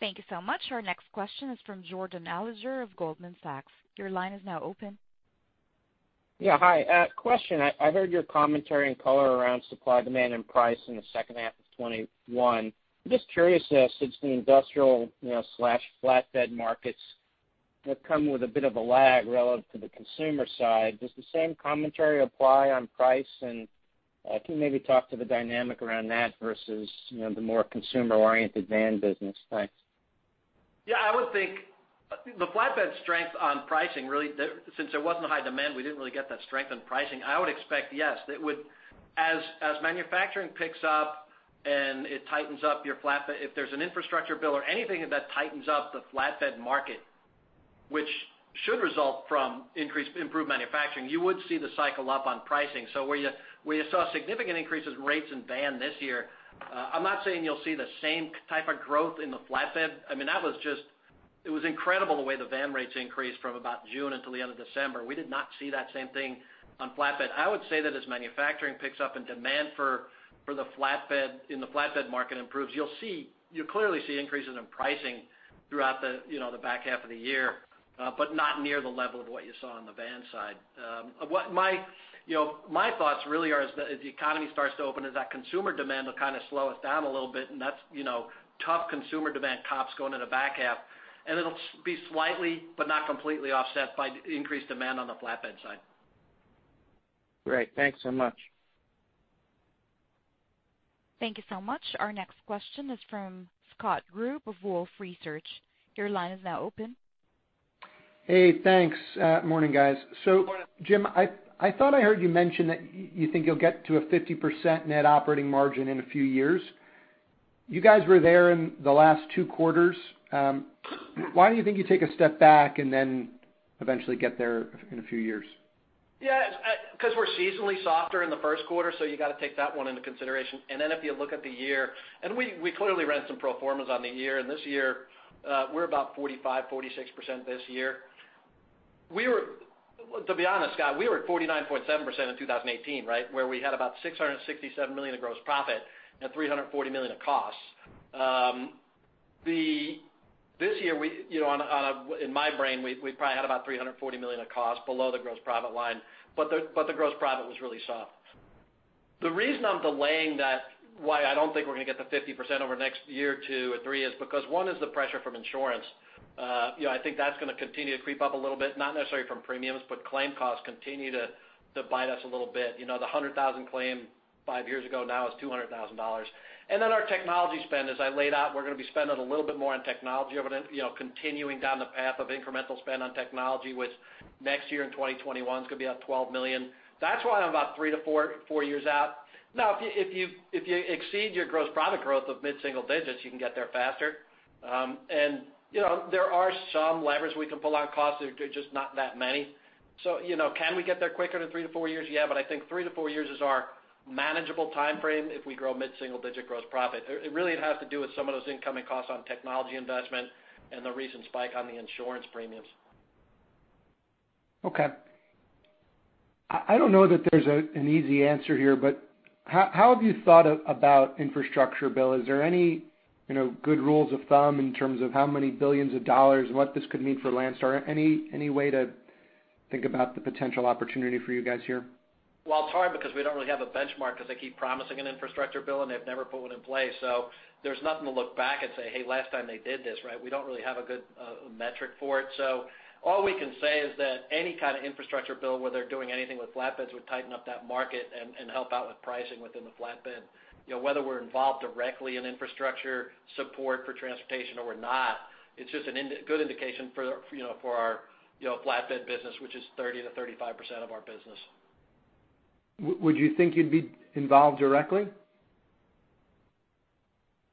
Thank you so much. Our next question is from Jordan Alliger of Goldman Sachs. Your line is now open. Yeah, hi. Question, I heard your commentary and color around supply, demand, and price in the second half of 2021. I'm just curious as, since the industrial, you know, slash flatbed markets have come with a bit of a lag relative to the consumer side, does the same commentary apply on price? And, can you maybe talk to the dynamic around that versus, you know, the more consumer-oriented van business? Thanks. Yeah, I would think, the flatbed strength on pricing, really, since there wasn't high demand, we didn't really get that strength on pricing. I would expect, yes, it would... As manufacturing picks up and it tightens up your flatbed, if there's an infrastructure bill or anything that tightens up the flatbed market, which should result from increased improved manufacturing, you would see the cycle up on pricing. So where you saw significant increases in rates in van this year, I'm not saying you'll see the same type of growth in the flatbed. I mean, that was just... It was incredible the way the van rates increased from about June until the end of December. We did not see that same thing on flatbed. I would say that as manufacturing picks up and demand for, for the flatbed, in the flatbed market improves, you'll see- you'll clearly see increases in pricing throughout the, you know, the back half of the year, but not near the level of what you saw on the van side. What my, you know, my thoughts really are as the, as the economy starts to open, is that consumer demand will kind of slow us down a little bit, and that's, you know, tough consumer demand comps going in the back half. And it'll be slightly, but not completely, offset by increased demand on the flatbed side. Great. Thanks so much. Thank you so much. Our next question is from Scott Group of Wolfe Research. Your line is now open.... Hey, thanks. Morning, guys. Morning. Jim, I thought I heard you mention that you think you'll get to a 50% net operating margin in a few years. You guys were there in the last two quarters. Why do you think you take a step back and then eventually get there in a few years? Yeah, because we're seasonally softer in the first quarter, so you got to take that one into consideration. Then if you look at the year, and we clearly ran some pro formas on the year, and this year, we're about 45%-46% this year. We were—To be honest, Scott, we were at 49.7% in 2018, right? Where we had about $667 million in gross profit and $340 million of costs. This year, you know, on a, on a, in my brain, we've probably had about $340 million of costs below the gross profit line, but the gross profit was really soft. The reason I'm delaying that, why I don't think we're going to get to 50% over the next year or 2 or 3 is because one is the pressure from insurance. You know, I think that's going to continue to creep up a little bit, not necessarily from premiums, but claim costs continue to bite us a little bit. You know, the $100,000 claim 5 years ago now is $200,000. And then our technology spend, as I laid out, we're going to be spending a little bit more on technology, evident, you know, continuing down the path of incremental spend on technology, which next year in 2021, is going to be at $12 million. That's why I'm about 3 to 4, 4 years out. Now, if you exceed your gross profit growth of mid-single digits, you can get there faster. You know, there are some levers we can pull on costs, there are just not that many. So, you know, can we get there quicker than 3-4 years? Yeah, but I think 3-4 years is our manageable time frame if we grow mid-single digit gross profit. It really has to do with some of those incoming costs on technology investment and the recent spike on the insurance premiums. Okay. I don't know that there's an easy answer here, but how have you thought about infrastructure bill? Is there any, you know, good rules of thumb in terms of how many billions of dollars and what this could mean for Landstar? Any way to think about the potential opportunity for you guys here? Well, it's hard because we don't really have a benchmark because they keep promising an infrastructure bill, and they've never put one in place. So there's nothing to look back and say, "Hey, last time they did this," right? We don't really have a good metric for it. So all we can say is that any kind of infrastructure bill, where they're doing anything with flatbeds, would tighten up that market and help out with pricing within the flatbed. You know, whether we're involved directly in infrastructure support for transportation or we're not, it's just a good indication for, you know, for our, you know, flatbed business, which is 30%-35% of our business. Would you think you'd be involved directly?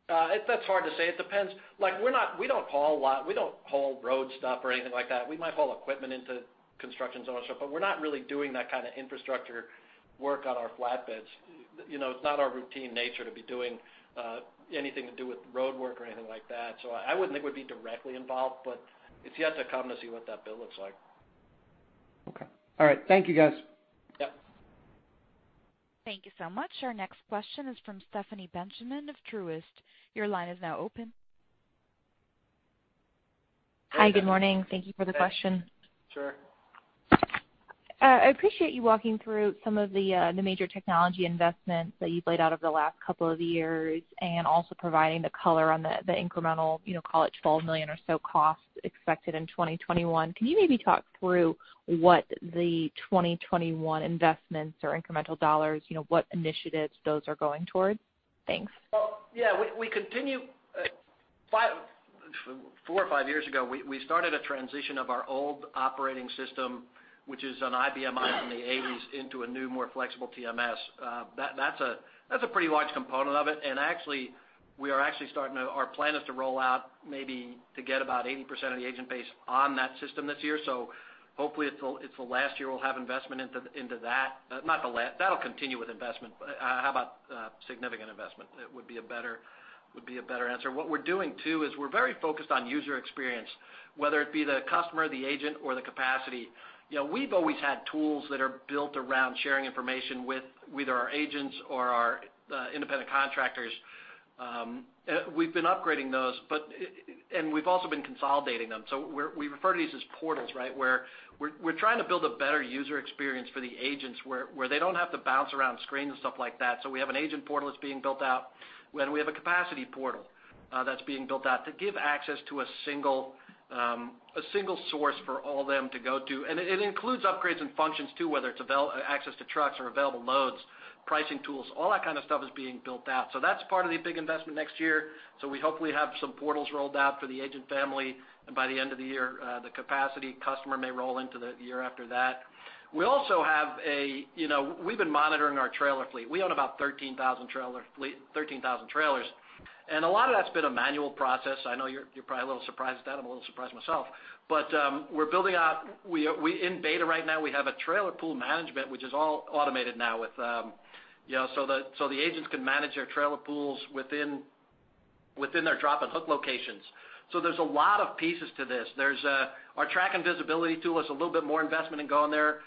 That's hard to say. It depends. Like, we don't haul a lot. We don't haul road stuff or anything like that. We might haul equipment into construction zones and stuff, but we're not really doing that kind of infrastructure work on our flatbeds. You know, it's not our routine nature to be doing anything to do with roadwork or anything like that. So I wouldn't think we'd be directly involved, but it's yet to come to see what that bill looks like. Okay. All right. Thank you, guys. Yep. Thank you so much. Our next question is from Stephanie Benjamin of Truist. Your line is now open. Hi, good morning. Thank you for the question. Sure. I appreciate you walking through some of the, the major technology investments that you've laid out over the last couple of years and also providing the color on the, the incremental, you know, call it $12 million or so costs expected in 2021. Can you maybe talk through what the 2021 investments or incremental dollars, you know, what initiatives those are going towards? Thanks. Well, yeah, we continue. Four or five years ago, we started a transition of our old operating system, which is an IBM i from the 1980s, into a new, more flexible TMS. That's a pretty large component of it. And actually, our plan is to roll out maybe to get about 80% of the agent base on that system this year. So hopefully it's the last year we'll have investment into that. Not the last, that'll continue with investment, but how about significant investment? It would be a better answer. What we're doing, too, is we're very focused on user experience, whether it be the customer, the agent, or the capacity. You know, we've always had tools that are built around sharing information with our agents or our independent contractors. We've been upgrading those, but and we've also been consolidating them. So we're, we refer to these as portals, right? Where we're trying to build a better user experience for the agents, where they don't have to bounce around screens and stuff like that. So we have an agent portal that's being built out, and we have a capacity portal that's being built out to give access to a single source for all them to go to. And it includes upgrades and functions, too, whether it's access to trucks or available loads, pricing tools, all that kind of stuff is being built out. So that's part of the big investment next year. So we hopefully have some portals rolled out for the agent family, and by the end of the year, the capacity customer may roll into the year after that. We also have a, you know, we've been monitoring our trailer fleet. We own about 13,000 trailer fleet, 13,000 trailers, and a lot of that's been a manual process. I know you're probably a little surprised at that. I'm a little surprised myself. But, we're building out, we are in beta right now, we have a trailer pool management, which is all automated now with, you know, so the agents can manage their trailer pools within their drop and hook locations. So there's a lot of pieces to this. There's, our track and visibility tool is a little bit more investment in going there.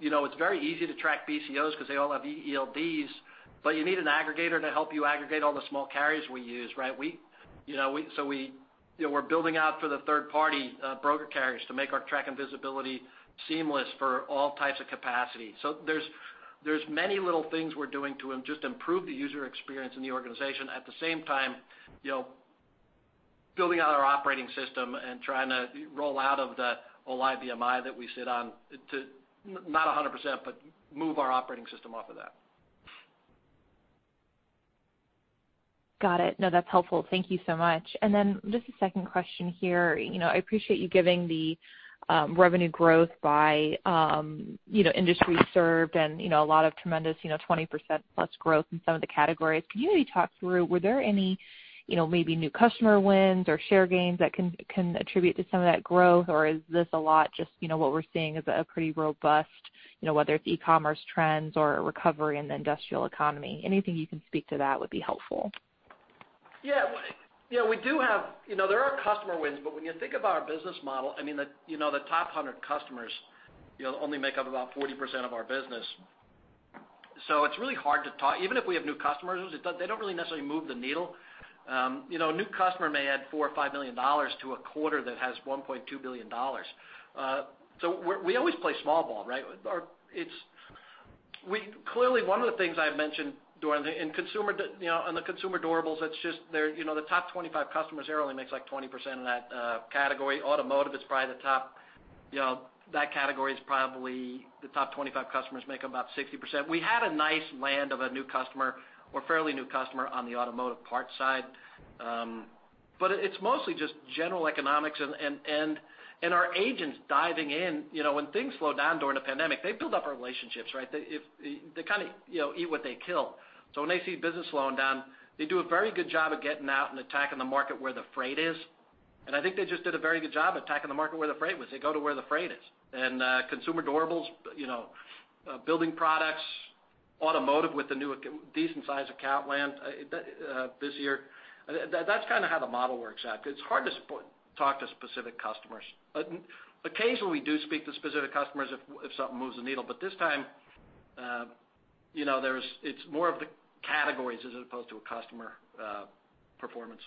You know, it's very easy to track BCOs because they all have ELDs, but you need an aggregator to help you aggregate all the small carriers we use, right? We, you know, we're building out for the third-party broker carriers to make our tracking and visibility seamless for all types of capacity. So there's many little things we're doing to just improve the user experience in the organization. At the same time, you know, building out our operating system and trying to roll off the old IBM i that we sit on to, not 100%, but move our operating system off of that. ... Got it. No, that's helpful. Thank you so much. And then just a second question here. You know, I appreciate you giving the, revenue growth by, you know, industry served and, you know, a lot of tremendous, you know, 20% plus growth in some of the categories. Can you maybe talk through, were there any, you know, maybe new customer wins or share gains that can, can attribute to some of that growth? Or is this a lot just, you know, what we're seeing is a pretty robust, you know, whether it's e-commerce trends or recovery in the industrial economy. Anything you can speak to that would be helpful. Yeah. Yeah, we do have—you know, there are customer wins, but when you think about our business model, I mean, the, you know, the top 100 customers, you know, only make up about 40% of our business. So it's really hard to talk. Even if we have new customers, they don't really necessarily move the needle. You know, a new customer may add $4 million or $5 million to a quarter that has $1.2 billion. So we, we always play small ball, right? Or it's—we—clearly, one of the things I've mentioned during the... In consumer d—you know, on the consumer durables, it's just there, you know, the top 25 customers there only makes, like, 20% of that category. Automotive is probably the top. You know, that category is probably the top 25 customers make up about 60%. We had a nice land of a new customer or fairly new customer on the automotive parts side. But it's mostly just general economics and our agents diving in. You know, when things slow down during a pandemic, they build up our relationships, right? They kind of, you know, eat what they kill. So when they see business slowing down, they do a very good job of getting out and attacking the market where the freight is. And I think they just did a very good job attacking the market where the freight was. They go to where the freight is. And consumer durables, you know, building products, automotive with the new, decent-sized account land this year. That's kind of how the model works out. It's hard to talk to specific customers. But occasionally, we do speak to specific customers if, if something moves the needle. But this time, you know, there's, it's more of the categories as opposed to a customer performance.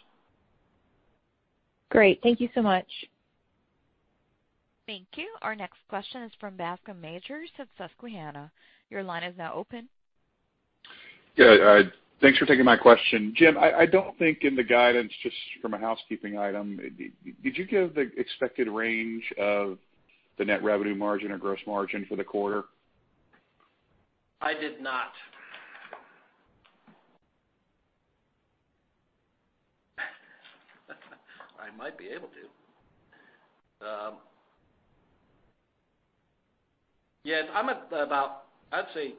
Great. Thank you so much. Thank you. Our next question is from Bascome Majors of Susquehanna. Your line is now open. Yeah, thanks for taking my question. Jim, I don't think in the guidance, just from a housekeeping item, did you give the expected range of the net revenue margin or gross margin for the quarter? I did not. I might be able to. Yeah, I'm at about, I'd say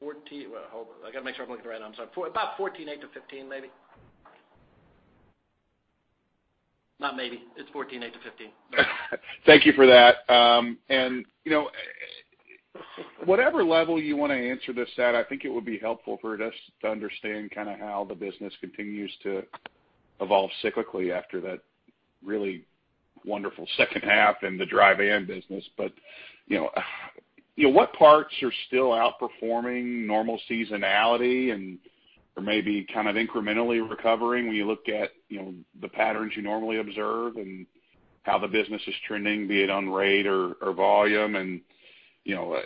14... Well, hold on. I got to make sure I'm looking at the right answer. I'm sorry. About 14.8 to 15, maybe. Not maybe, it's 14.8-15. Thank you for that. And, you know, whatever level you want to answer this at, I think it would be helpful for us to understand kind of how the business continues to evolve cyclically after that really wonderful second half in the dry van business. But, you know, you know, what parts are still outperforming normal seasonality and, or maybe kind of incrementally recovering when you look at, you know, the patterns you normally observe and how the business is trending, be it on rate or, or volume? And, you know,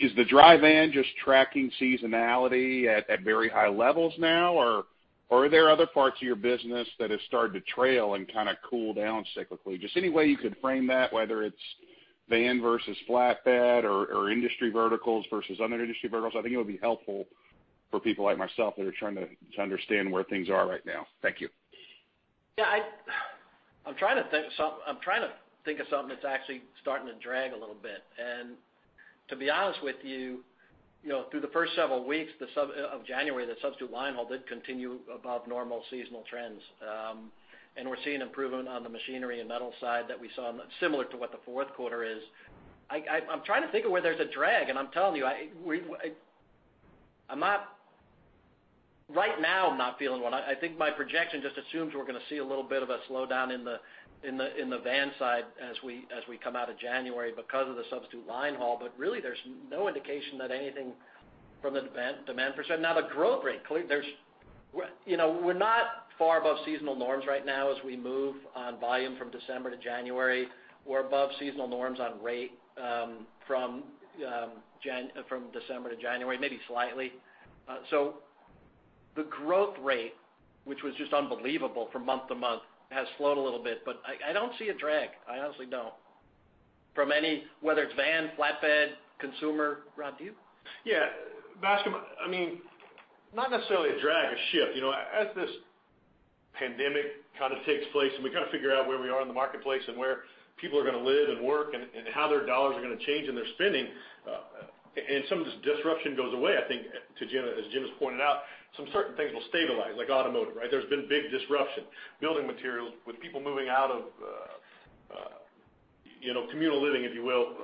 is the dry van just tracking seasonality at, at very high levels now, or, or are there other parts of your business that have started to trail and kind of cool down cyclically? Just any way you could frame that, whether it's van versus flatbed or, or industry verticals versus other industry verticals, I think it would be helpful for people like myself that are trying to, to understand where things are right now. Thank you. Yeah, I'm trying to think of something that's actually starting to drag a little bit. And to be honest with you, you know, through the first several weeks of January, the substitute linehaul did continue above normal seasonal trends. And we're seeing improvement on the machinery and metal side that we saw, similar to what the fourth quarter is. I'm trying to think of where there's a drag, and I'm telling you, I'm not... Right now, I'm not feeling one. I think my projection just assumes we're going to see a little bit of a slowdown in the van side as we come out of January because of the substitute linehaul, but really, there's no indication that anything from the demand perspective. Now, the growth rate, we're, you know, we're not far above seasonal norms right now as we move on volume from December to January. We're above seasonal norms on rate from December to January, maybe slightly. So the growth rate, which was just unbelievable from month to month, has slowed a little bit, but I, I don't see a drag. I honestly don't, from any, whether it's van, flatbed, consumer. Rob, do you? Yeah, Bascome, I mean, not necessarily a drag, a shift. You know, as this pandemic kind of takes place, and we kind of figure out where we are in the marketplace and where people are going to live and work, and, and how their dollars are going to change, and their spending, and some of this disruption goes away, I think, to Jim, as Jim has pointed out, some certain things will stabilize, like automotive, right? There's been big disruption. Building materials, with people moving out of, you know, communal living, if you will,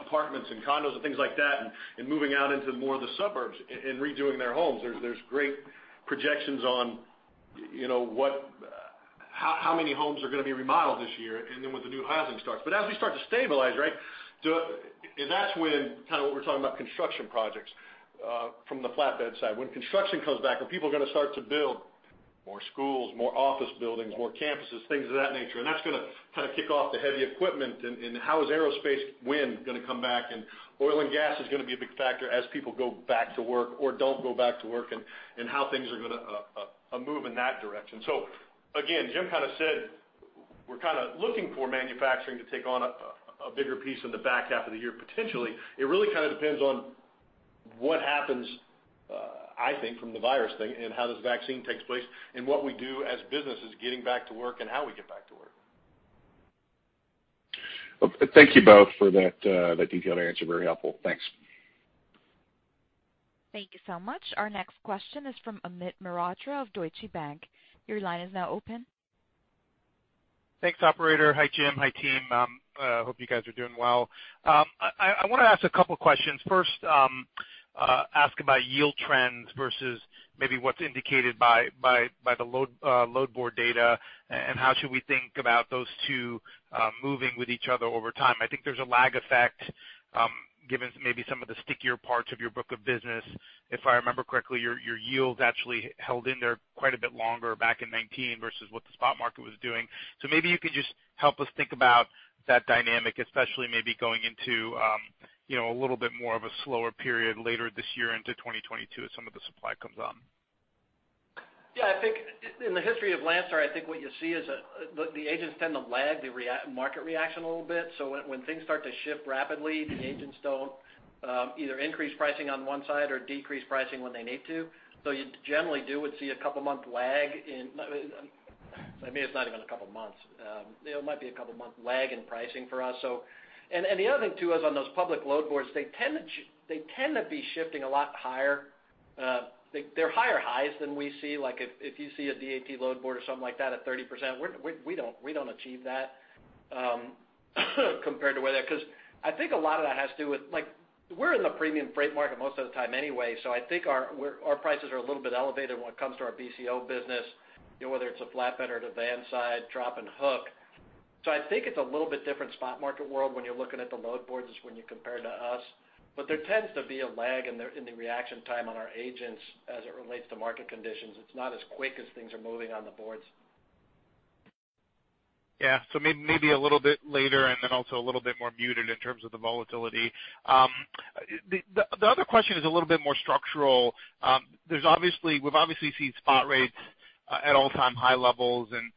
apartments and condos and things like that, and, and moving out into more of the suburbs and redoing their homes. There's great projections on, you know, what, how, how many homes are going to be remodeled this year and then with the new housing starts. But as we start to stabilize, right, the—and that's when kind of what we're talking about construction projects from the flatbed side. When construction comes back, when people are going to start to build more schools, more office buildings, more campuses, things of that nature, and that's going to kind of kick off the heavy equipment. And how is aerospace wind going to come back? And oil and gas is going to be a big factor as people go back to work or don't go back to work, and how things are going to move in that direction. So again, Jim kind of said—... we're kind of looking for manufacturing to take on a bigger piece in the back half of the year, potentially. It really kind of depends on what happens, I think, from the virus thing and how this vaccine takes place and what we do as businesses getting back to work and how we get back to work. Thank you both for that, that detailed answer. Very helpful. Thanks. Thank you so much. Our next question is from Amit Mehrotra of Deutsche Bank. Your line is now open. Thanks, operator. Hi, Jim. Hi, team. Hope you guys are doing well. I want to ask a couple questions. First, ask about yield trends versus maybe what's indicated by the load board data, and how should we think about those two moving with each other over time? I think there's a lag effect, given maybe some of the stickier parts of your book of business. If I remember correctly, your yields actually held in there quite a bit longer back in 2019 versus what the spot market was doing. So maybe you could just help us think about that dynamic, especially maybe going into, you know, a little bit more of a slower period later this year into 2022, as some of the supply comes on. Yeah, I think in the history of Landstar, I think what you see is that the agents tend to lag the market reaction a little bit. So when things start to shift rapidly, the agents don't either increase pricing on one side or decrease pricing when they need to. So you generally would see a couple month lag in pricing. I mean, it's not even a couple of months. It might be a couple of month lag in pricing for us. And the other thing, too, is on those public load boards, they tend to be shifting a lot higher. They're higher highs than we see. Like, if you see a DAT load board or something like that at 30%, we don't achieve that compared to where they are. Because I think a lot of that has to do with, like, we're in the premium freight market most of the time anyway, so I think our prices are a little bit elevated when it comes to our BCO business, you know, whether it's a flatbed or the van side, drop and hook. So I think it's a little bit different spot market world when you're looking at the load boards is when you compare to us. But there tends to be a lag in the reaction time on our agents as it relates to market conditions. It's not as quick as things are moving on the boards. Yeah, so maybe a little bit later and then also a little bit more muted in terms of the volatility. The other question is a little bit more structural. We've obviously seen spot rates at all-time high levels, and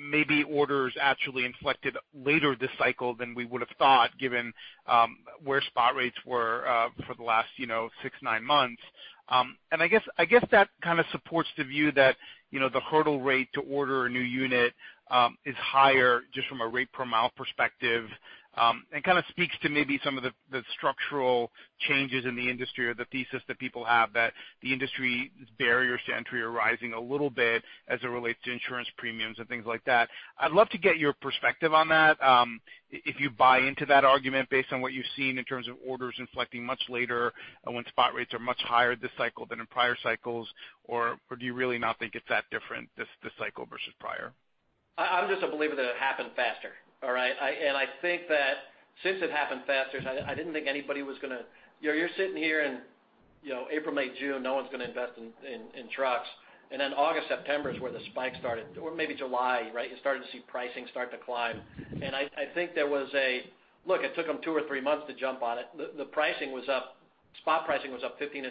maybe orders actually inflected later this cycle than we would have thought, given where spot rates were for the last, you know, 6-9 months. And I guess that kind of supports the view that, you know, the hurdle rate to order a new unit is higher just from a rate per mile perspective, and kind of speaks to maybe some of the structural changes in the industry or the thesis that people have, that the industry barriers to entry are rising a little bit as it relates to insurance premiums and things like that. I'd love to get your perspective on that, if you buy into that argument based on what you've seen in terms of orders inflecting much later, when spot rates are much higher this cycle than in prior cycles, or do you really not think it's that different, this cycle versus prior? I'm just a believer that it happened faster, all right? And I think that since it happened faster, so I didn't think anybody was going to... You're sitting here in, you know, April, May, June, no one's going to invest in trucks. And then August, September is where the spike started, or maybe July, right? You started to see pricing start to climb. And I think there was a... Look, it took them two or three months to jump on it. The pricing was up, spot pricing was up 15%-20%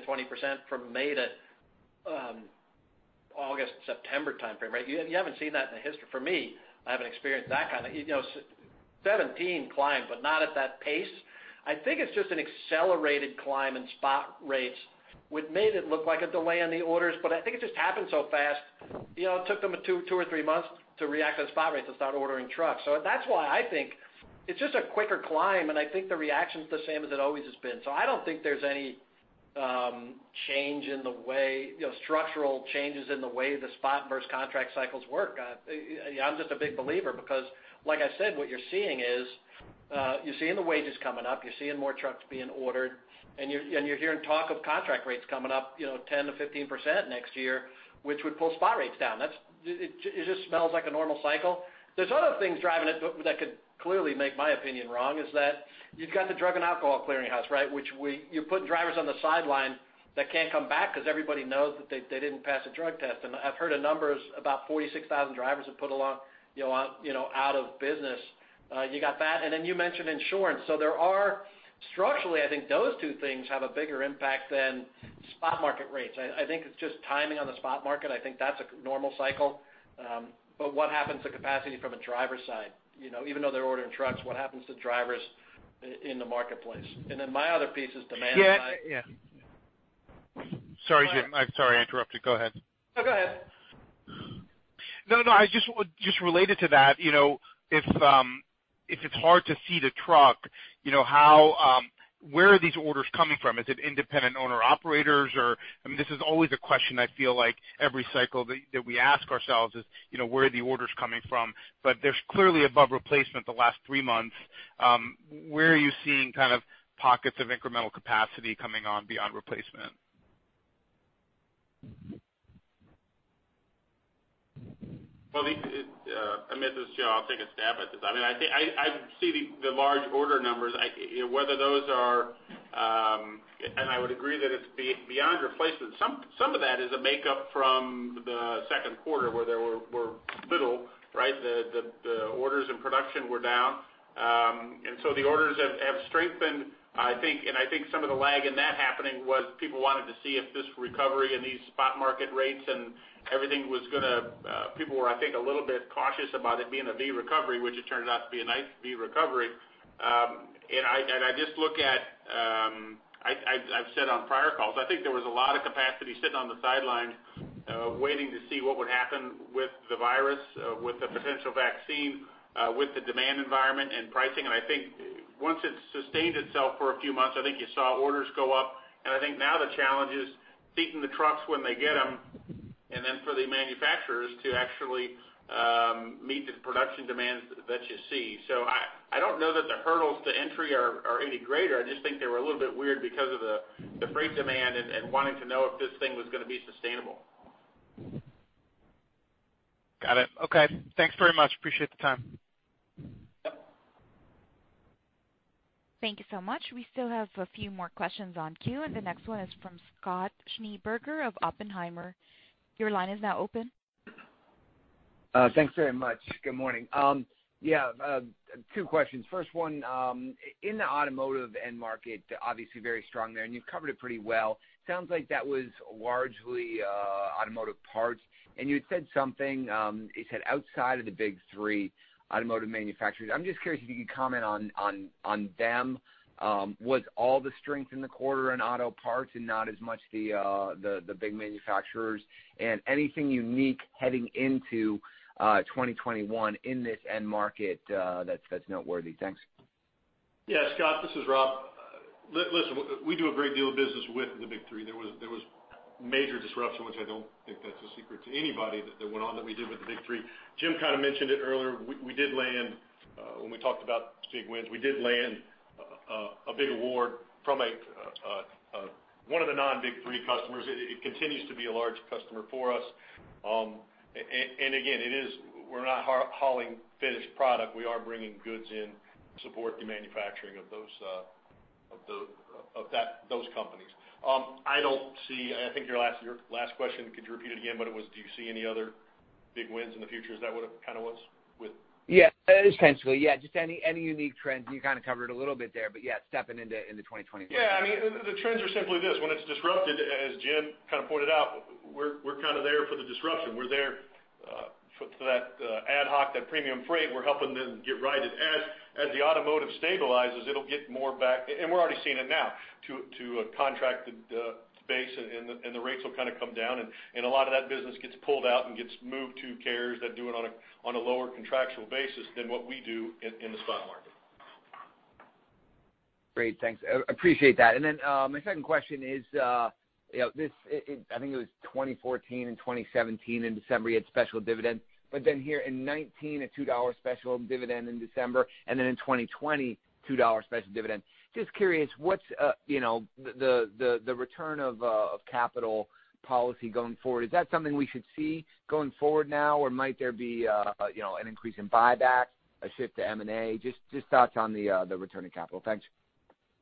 from May to August-September timeframe, right? You haven't seen that in the history. For me, I haven't experienced that kind of, you know, 2017 climbed, but not at that pace. I think it's just an accelerated climb in spot rates, which made it look like a delay on the orders. But I think it just happened so fast, you know, it took them two or three months to react to the spot rates and start ordering trucks. So that's why I think it's just a quicker climb, and I think the reaction's the same as it always has been. So I don't think there's any change in the way, you know, structural changes in the way the spot versus contract cycles work. I'm just a big believer because, like I said, what you're seeing is you're seeing the wages coming up, you're seeing more trucks being ordered, and you're hearing talk of contract rates coming up, you know, 10%-15% next year, which would pull spot rates down. That's it. It just smells like a normal cycle. There's other things driving it, but that could clearly make my opinion wrong, is that you've got the Drug and Alcohol Clearinghouse, right? Which you're putting drivers on the sideline that can't come back because everybody knows that they didn't pass a drug test. And I've heard the numbers, about 46,000 drivers have put out of business, you know. You got that, and then you mentioned insurance. So there are... Structurally, I think those two things have a bigger impact than spot market rates. I think it's just timing on the spot market. I think that's a normal cycle. But what happens to capacity from a driver side? You know, even though they're ordering trucks, what happens to drivers in the marketplace? And then my other piece is demand- Yeah. Yeah. Sorry, Jim. I'm sorry, I interrupted. Go ahead. No, go ahead. No, no, I just related to that, you know, if it's hard to see the truck, you know, how, where are these orders coming from? Is it independent owner-operators, or... I mean, this is always a question I feel like every cycle that we ask ourselves is, you know, where are the orders coming from? But there's clearly above replacement the last three months. Where are you seeing kind of pockets of incremental capacity coming on beyond replacement? Well, Amit, this is Joe. I'll take a stab at this. I mean, I think I see the large order numbers. I you know whether those are. And I would agree that it's beyond replacement. Some of that is a makeup from the second quarter, where there were little, right? The orders and production were down.... And so the orders have strengthened, I think. And I think some of the lag in that happening was people wanted to see if this recovery and these spot market rates and everything was going to, people were, I think, a little bit cautious about it being a V recovery, which it turned out to be a nice V recovery. And I and I just look at, I've said on prior calls, I think there was a lot of capacity sitting on the sidelines, waiting to see what would happen with the virus, with the potential vaccine, with the demand environment and pricing. And I think once it sustained itself for a few months, I think you saw orders go up. I think now the challenge is feeding the trucks when they get them, and then for the manufacturers to actually meet the production demands that you see. So I don't know that the hurdles to entry are any greater. I just think they were a little bit weird because of the freight demand and wanting to know if this thing was going to be sustainable. Got it. Okay. Thanks very much. Appreciate the time. Yep. Thank you so much. We still have a few more questions in queue, and the next one is from Scott Schneeberger of Oppenheimer. Your line is now open. Thanks very much. Good morning. Yeah, two questions. First one, in the automotive end market, obviously very strong there, and you've covered it pretty well. Sounds like that was largely, automotive parts. And you had said something, you said outside of the big three automotive manufacturers. I'm just curious if you could comment on, on, on them. Was all the strength in the quarter in auto parts and not as much the, the, the big manufacturers? And anything unique heading into, 2021 in this end market, that's, that's noteworthy? Thanks. Yeah, Scott, this is Rob. Listen, we do a great deal of business with the big three. There was major disruption, which I don't think that's a secret to anybody, that went on that we did with the big three. Jim kind of mentioned it earlier. We did land, when we talked about big wins, we did land a big award from a one of the non-big three customers. It continues to be a large customer for us. And again, it is... We're not hauling finished product. We are bringing goods in to support the manufacturing of those, of the, of that, those companies. I don't see, I think your last question, could you repeat it again? But it was, do you see any other big wins in the future? Is that what it kind of was with? Yeah, that is potentially. Yeah, just any, any unique trends, and you kind of covered a little bit there, but yeah, stepping into, in 2021. Yeah, I mean, the trends are simply this: when it's disrupted, as Jim kind of pointed out, we're kind of there for the disruption. We're there for that ad hoc, that premium freight. We're helping them get righted. As the automotive stabilizes, it'll get more back, and we're already seeing it now, to a contracted space, and the rates will kind of come down, and a lot of that business gets pulled out and gets moved to carriers that do it on a lower contractual basis than what we do in the spot market. Great, thanks. I appreciate that. And then, my second question is, you know, this, it, I think it was 2014 and 2017 in December, you had special dividends, but then here in 2019, a $2 special dividend in December, and then in 2020, $2 special dividend. Just curious, what's, you know, the return of capital policy going forward? Is that something we should see going forward now, or might there be, you know, an increase in buyback, a shift to M&A? Just thoughts on the return of capital. Thanks.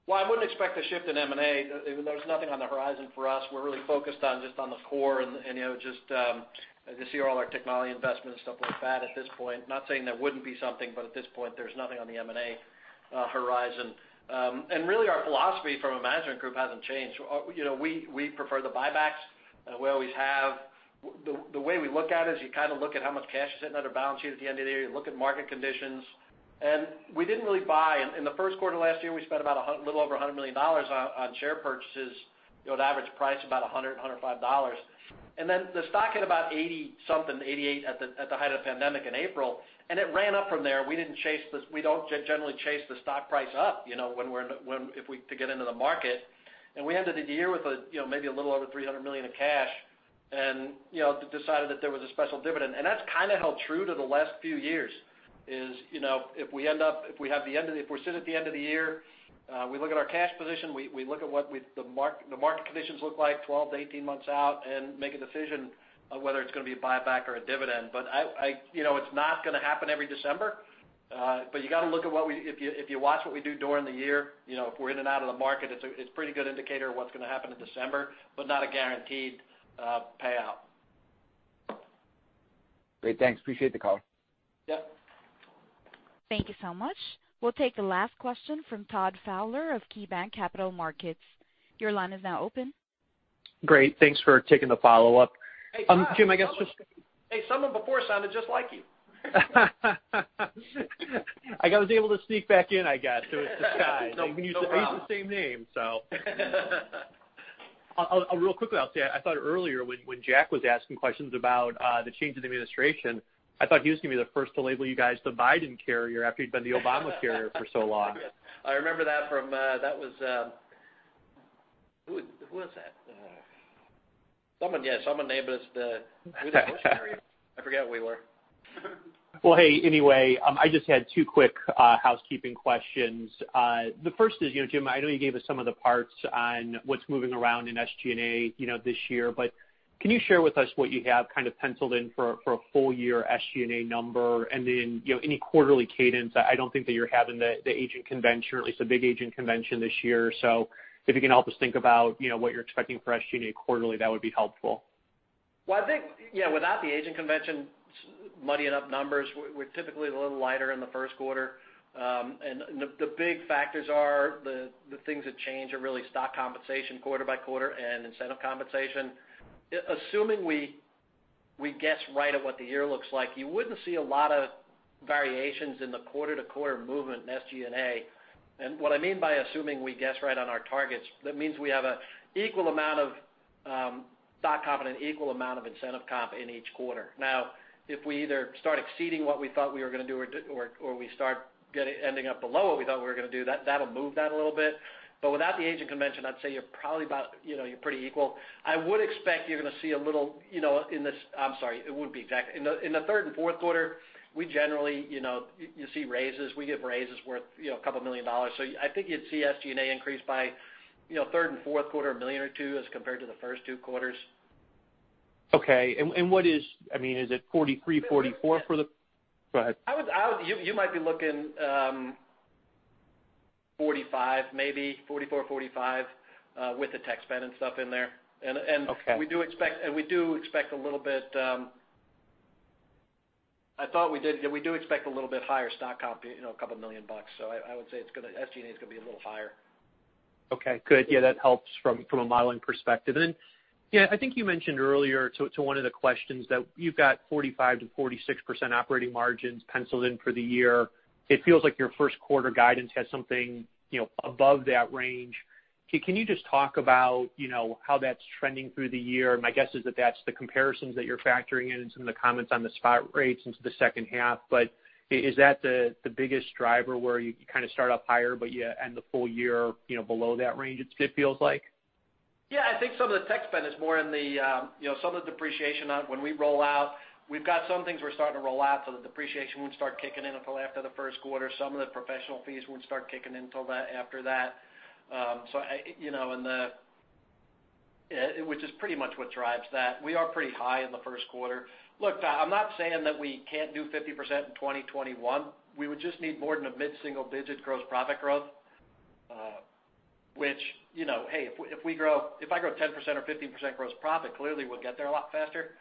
Well, I wouldn't expect a shift in M&A. There's nothing on the horizon for us. We're really focused on just on the core and, you know, just, as you see all our technology investments, stuff like that at this point. Not saying there wouldn't be something, but at this point, there's nothing on the M&A horizon. And really, our philosophy from a management group hasn't changed. You know, we prefer the buybacks. We always have. The way we look at it is you kind of look at how much cash is sitting under the balance sheet at the end of the year. You look at market conditions, and we didn't really buy. In the first quarter of last year, we spent about little over $100 million on share purchases, you know, at average price, about $105. And then the stock hit about eighty-something, 88 at the height of the pandemic in April, and it ran up from there. We didn't chase this. We don't generally chase the stock price up, you know, when we're, when, if we to get into the market. And we ended the year with a, you know, maybe a little over $300 million in cash and, you know, decided that there was a special dividend. And that's kind of held true to the last few years is, you know, if we end up, if we have the end of the year, if we're sitting at the end of the year, we look at our cash position, we look at what the market conditions look like 12-18 months out and make a decision of whether it's going to be a buyback or a dividend. But I, I, you know, it's not going to happen every December, but you got to look at what we... If you watch what we do during the year, you know, if we're in and out of the market, it's a pretty good indicator of what's going to happen in December, but not a guaranteed payout. Great, thanks. Appreciate the call. Yep. Thank you so much. We'll take the last question from Todd Fowler of KeyBanc Capital Markets. Your line is now open. Great. Thanks for taking the follow-up. Hey, Todd! Jim, I guess just- Hey, someone before sounded just like you. I was able to sneak back in, I guess. It's just Todd. No, no problem. We use the same name, so. Real quickly, I'll say, I thought earlier when Jack was asking questions about the change in the administration, I thought he was going to be the first to label you guys the Biden carrier after you'd been the Obama carrier for so long. I remember that from, that was... Who, who was that? Someone, yeah, someone labeled us the- I forget what we were. Well, hey, anyway, I just had two quick housekeeping questions. The first is, you know, Jim, I know you gave us some of the parts on what's moving around in SG&A, you know, this year, but can you share with us what you have kind of penciled in for a full year SG&A number? And then, you know, any quarterly cadence, I don't think that you're having the agent convention, or at least a big agent convention this year. So if you can help us think about, you know, what you're expecting for SG&A quarterly, that would be helpful.... Well, I think, yeah, without the agent convention muddying up numbers, we're typically a little lighter in the first quarter. And the big factors are the things that change are really stock compensation quarter by quarter and incentive compensation. Assuming we guess right at what the year looks like, you wouldn't see a lot of variations in the quarter-to-quarter movement in SG&A. And what I mean by assuming we guess right on our targets, that means we have a equal amount of stock comp and an equal amount of incentive comp in each quarter. Now, if we either start exceeding what we thought we were gonna do or, or we start getting ending up below what we thought we were gonna do, that'll move that a little bit. Without the agent convention, I'd say you're probably about, you know, you're pretty equal. I would expect you're gonna see a little, you know, in the third and fourth quarter, we generally, you know, you see raises. We give raises worth, you know, $2 million. So I think you'd see SG&A increase by, you know, third and fourth quarter, $1 million-$2 million, as compared to the first two quarters. Okay. And, and what is... I mean, is it 43, 44 for the- Yeah. Go ahead. I would, you might be looking 45, maybe 44, 45, with the tech spend and stuff in there. Okay. And we do expect a little bit. I thought we did. Yeah, we do expect a little bit higher stock comp, you know, $2 million. So I would say it's gonna, SG&A is gonna be a little higher. Okay, good. Yeah, that helps from a modeling perspective. And then, yeah, I think you mentioned earlier to one of the questions that you've got 45%-46% operating margins penciled in for the year. It feels like your first quarter guidance has something, you know, above that range. Can you just talk about, you know, how that's trending through the year? My guess is that that's the comparisons that you're factoring in and some of the comments on the spot rates into the second half. But is that the biggest driver where you kind of start off higher, but you end the full year, you know, below that range, it feels like? Yeah, I think some of the tech spend is more in the, you know, some of the depreciation on when we roll out. We've got some things we're starting to roll out, so the depreciation wouldn't start kicking in until after the first quarter. Some of the professional fees wouldn't start kicking in until that, after that. So I, you know, yeah, which is pretty much what drives that. We are pretty high in the first quarter. Look, Todd, I'm not saying that we can't do 50% in 2021. We would just need more than a mid-single digit gross profit growth, which, you know, hey, if, if we grow-- if I grow 10% or 15% gross profit, clearly we'll get there a lot faster.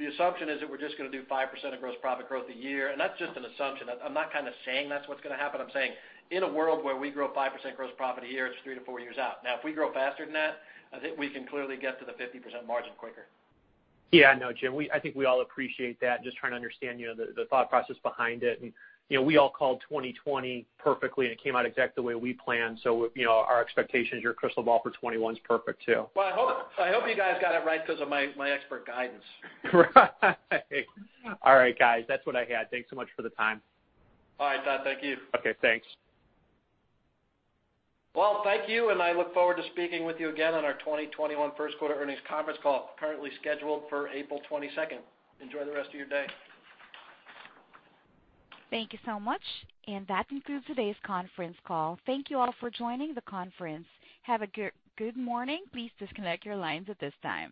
The assumption is that we're just gonna do 5% of gross profit growth a year, and that's just an assumption. I'm not kind of saying that's what's gonna happen. I'm saying, in a world where we grow 5% gross profit a year, it's 3-4 years out. Now, if we grow faster than that, I think we can clearly get to the 50% margin quicker. Yeah, I know, Jim. We, I think we all appreciate that. Just trying to understand, you know, the thought process behind it. And, you know, we all called 2020 perfectly, and it came out exactly the way we planned. So, you know, our expectation is your crystal ball for 2021's perfect, too. Well, I hope, I hope you guys got it right because of my, my expert guidance. Right. All right, guys, that's what I had. Thanks so much for the time. All right, Todd. Thank you. Okay, thanks. Well, thank you, and I look forward to speaking with you again on our 2021 first quarter earnings conference call, currently scheduled for April 22. Enjoy the rest of your day. Thank you so much, and that concludes today's conference call. Thank you all for joining the conference. Have a good, good morning. Please disconnect your lines at this time.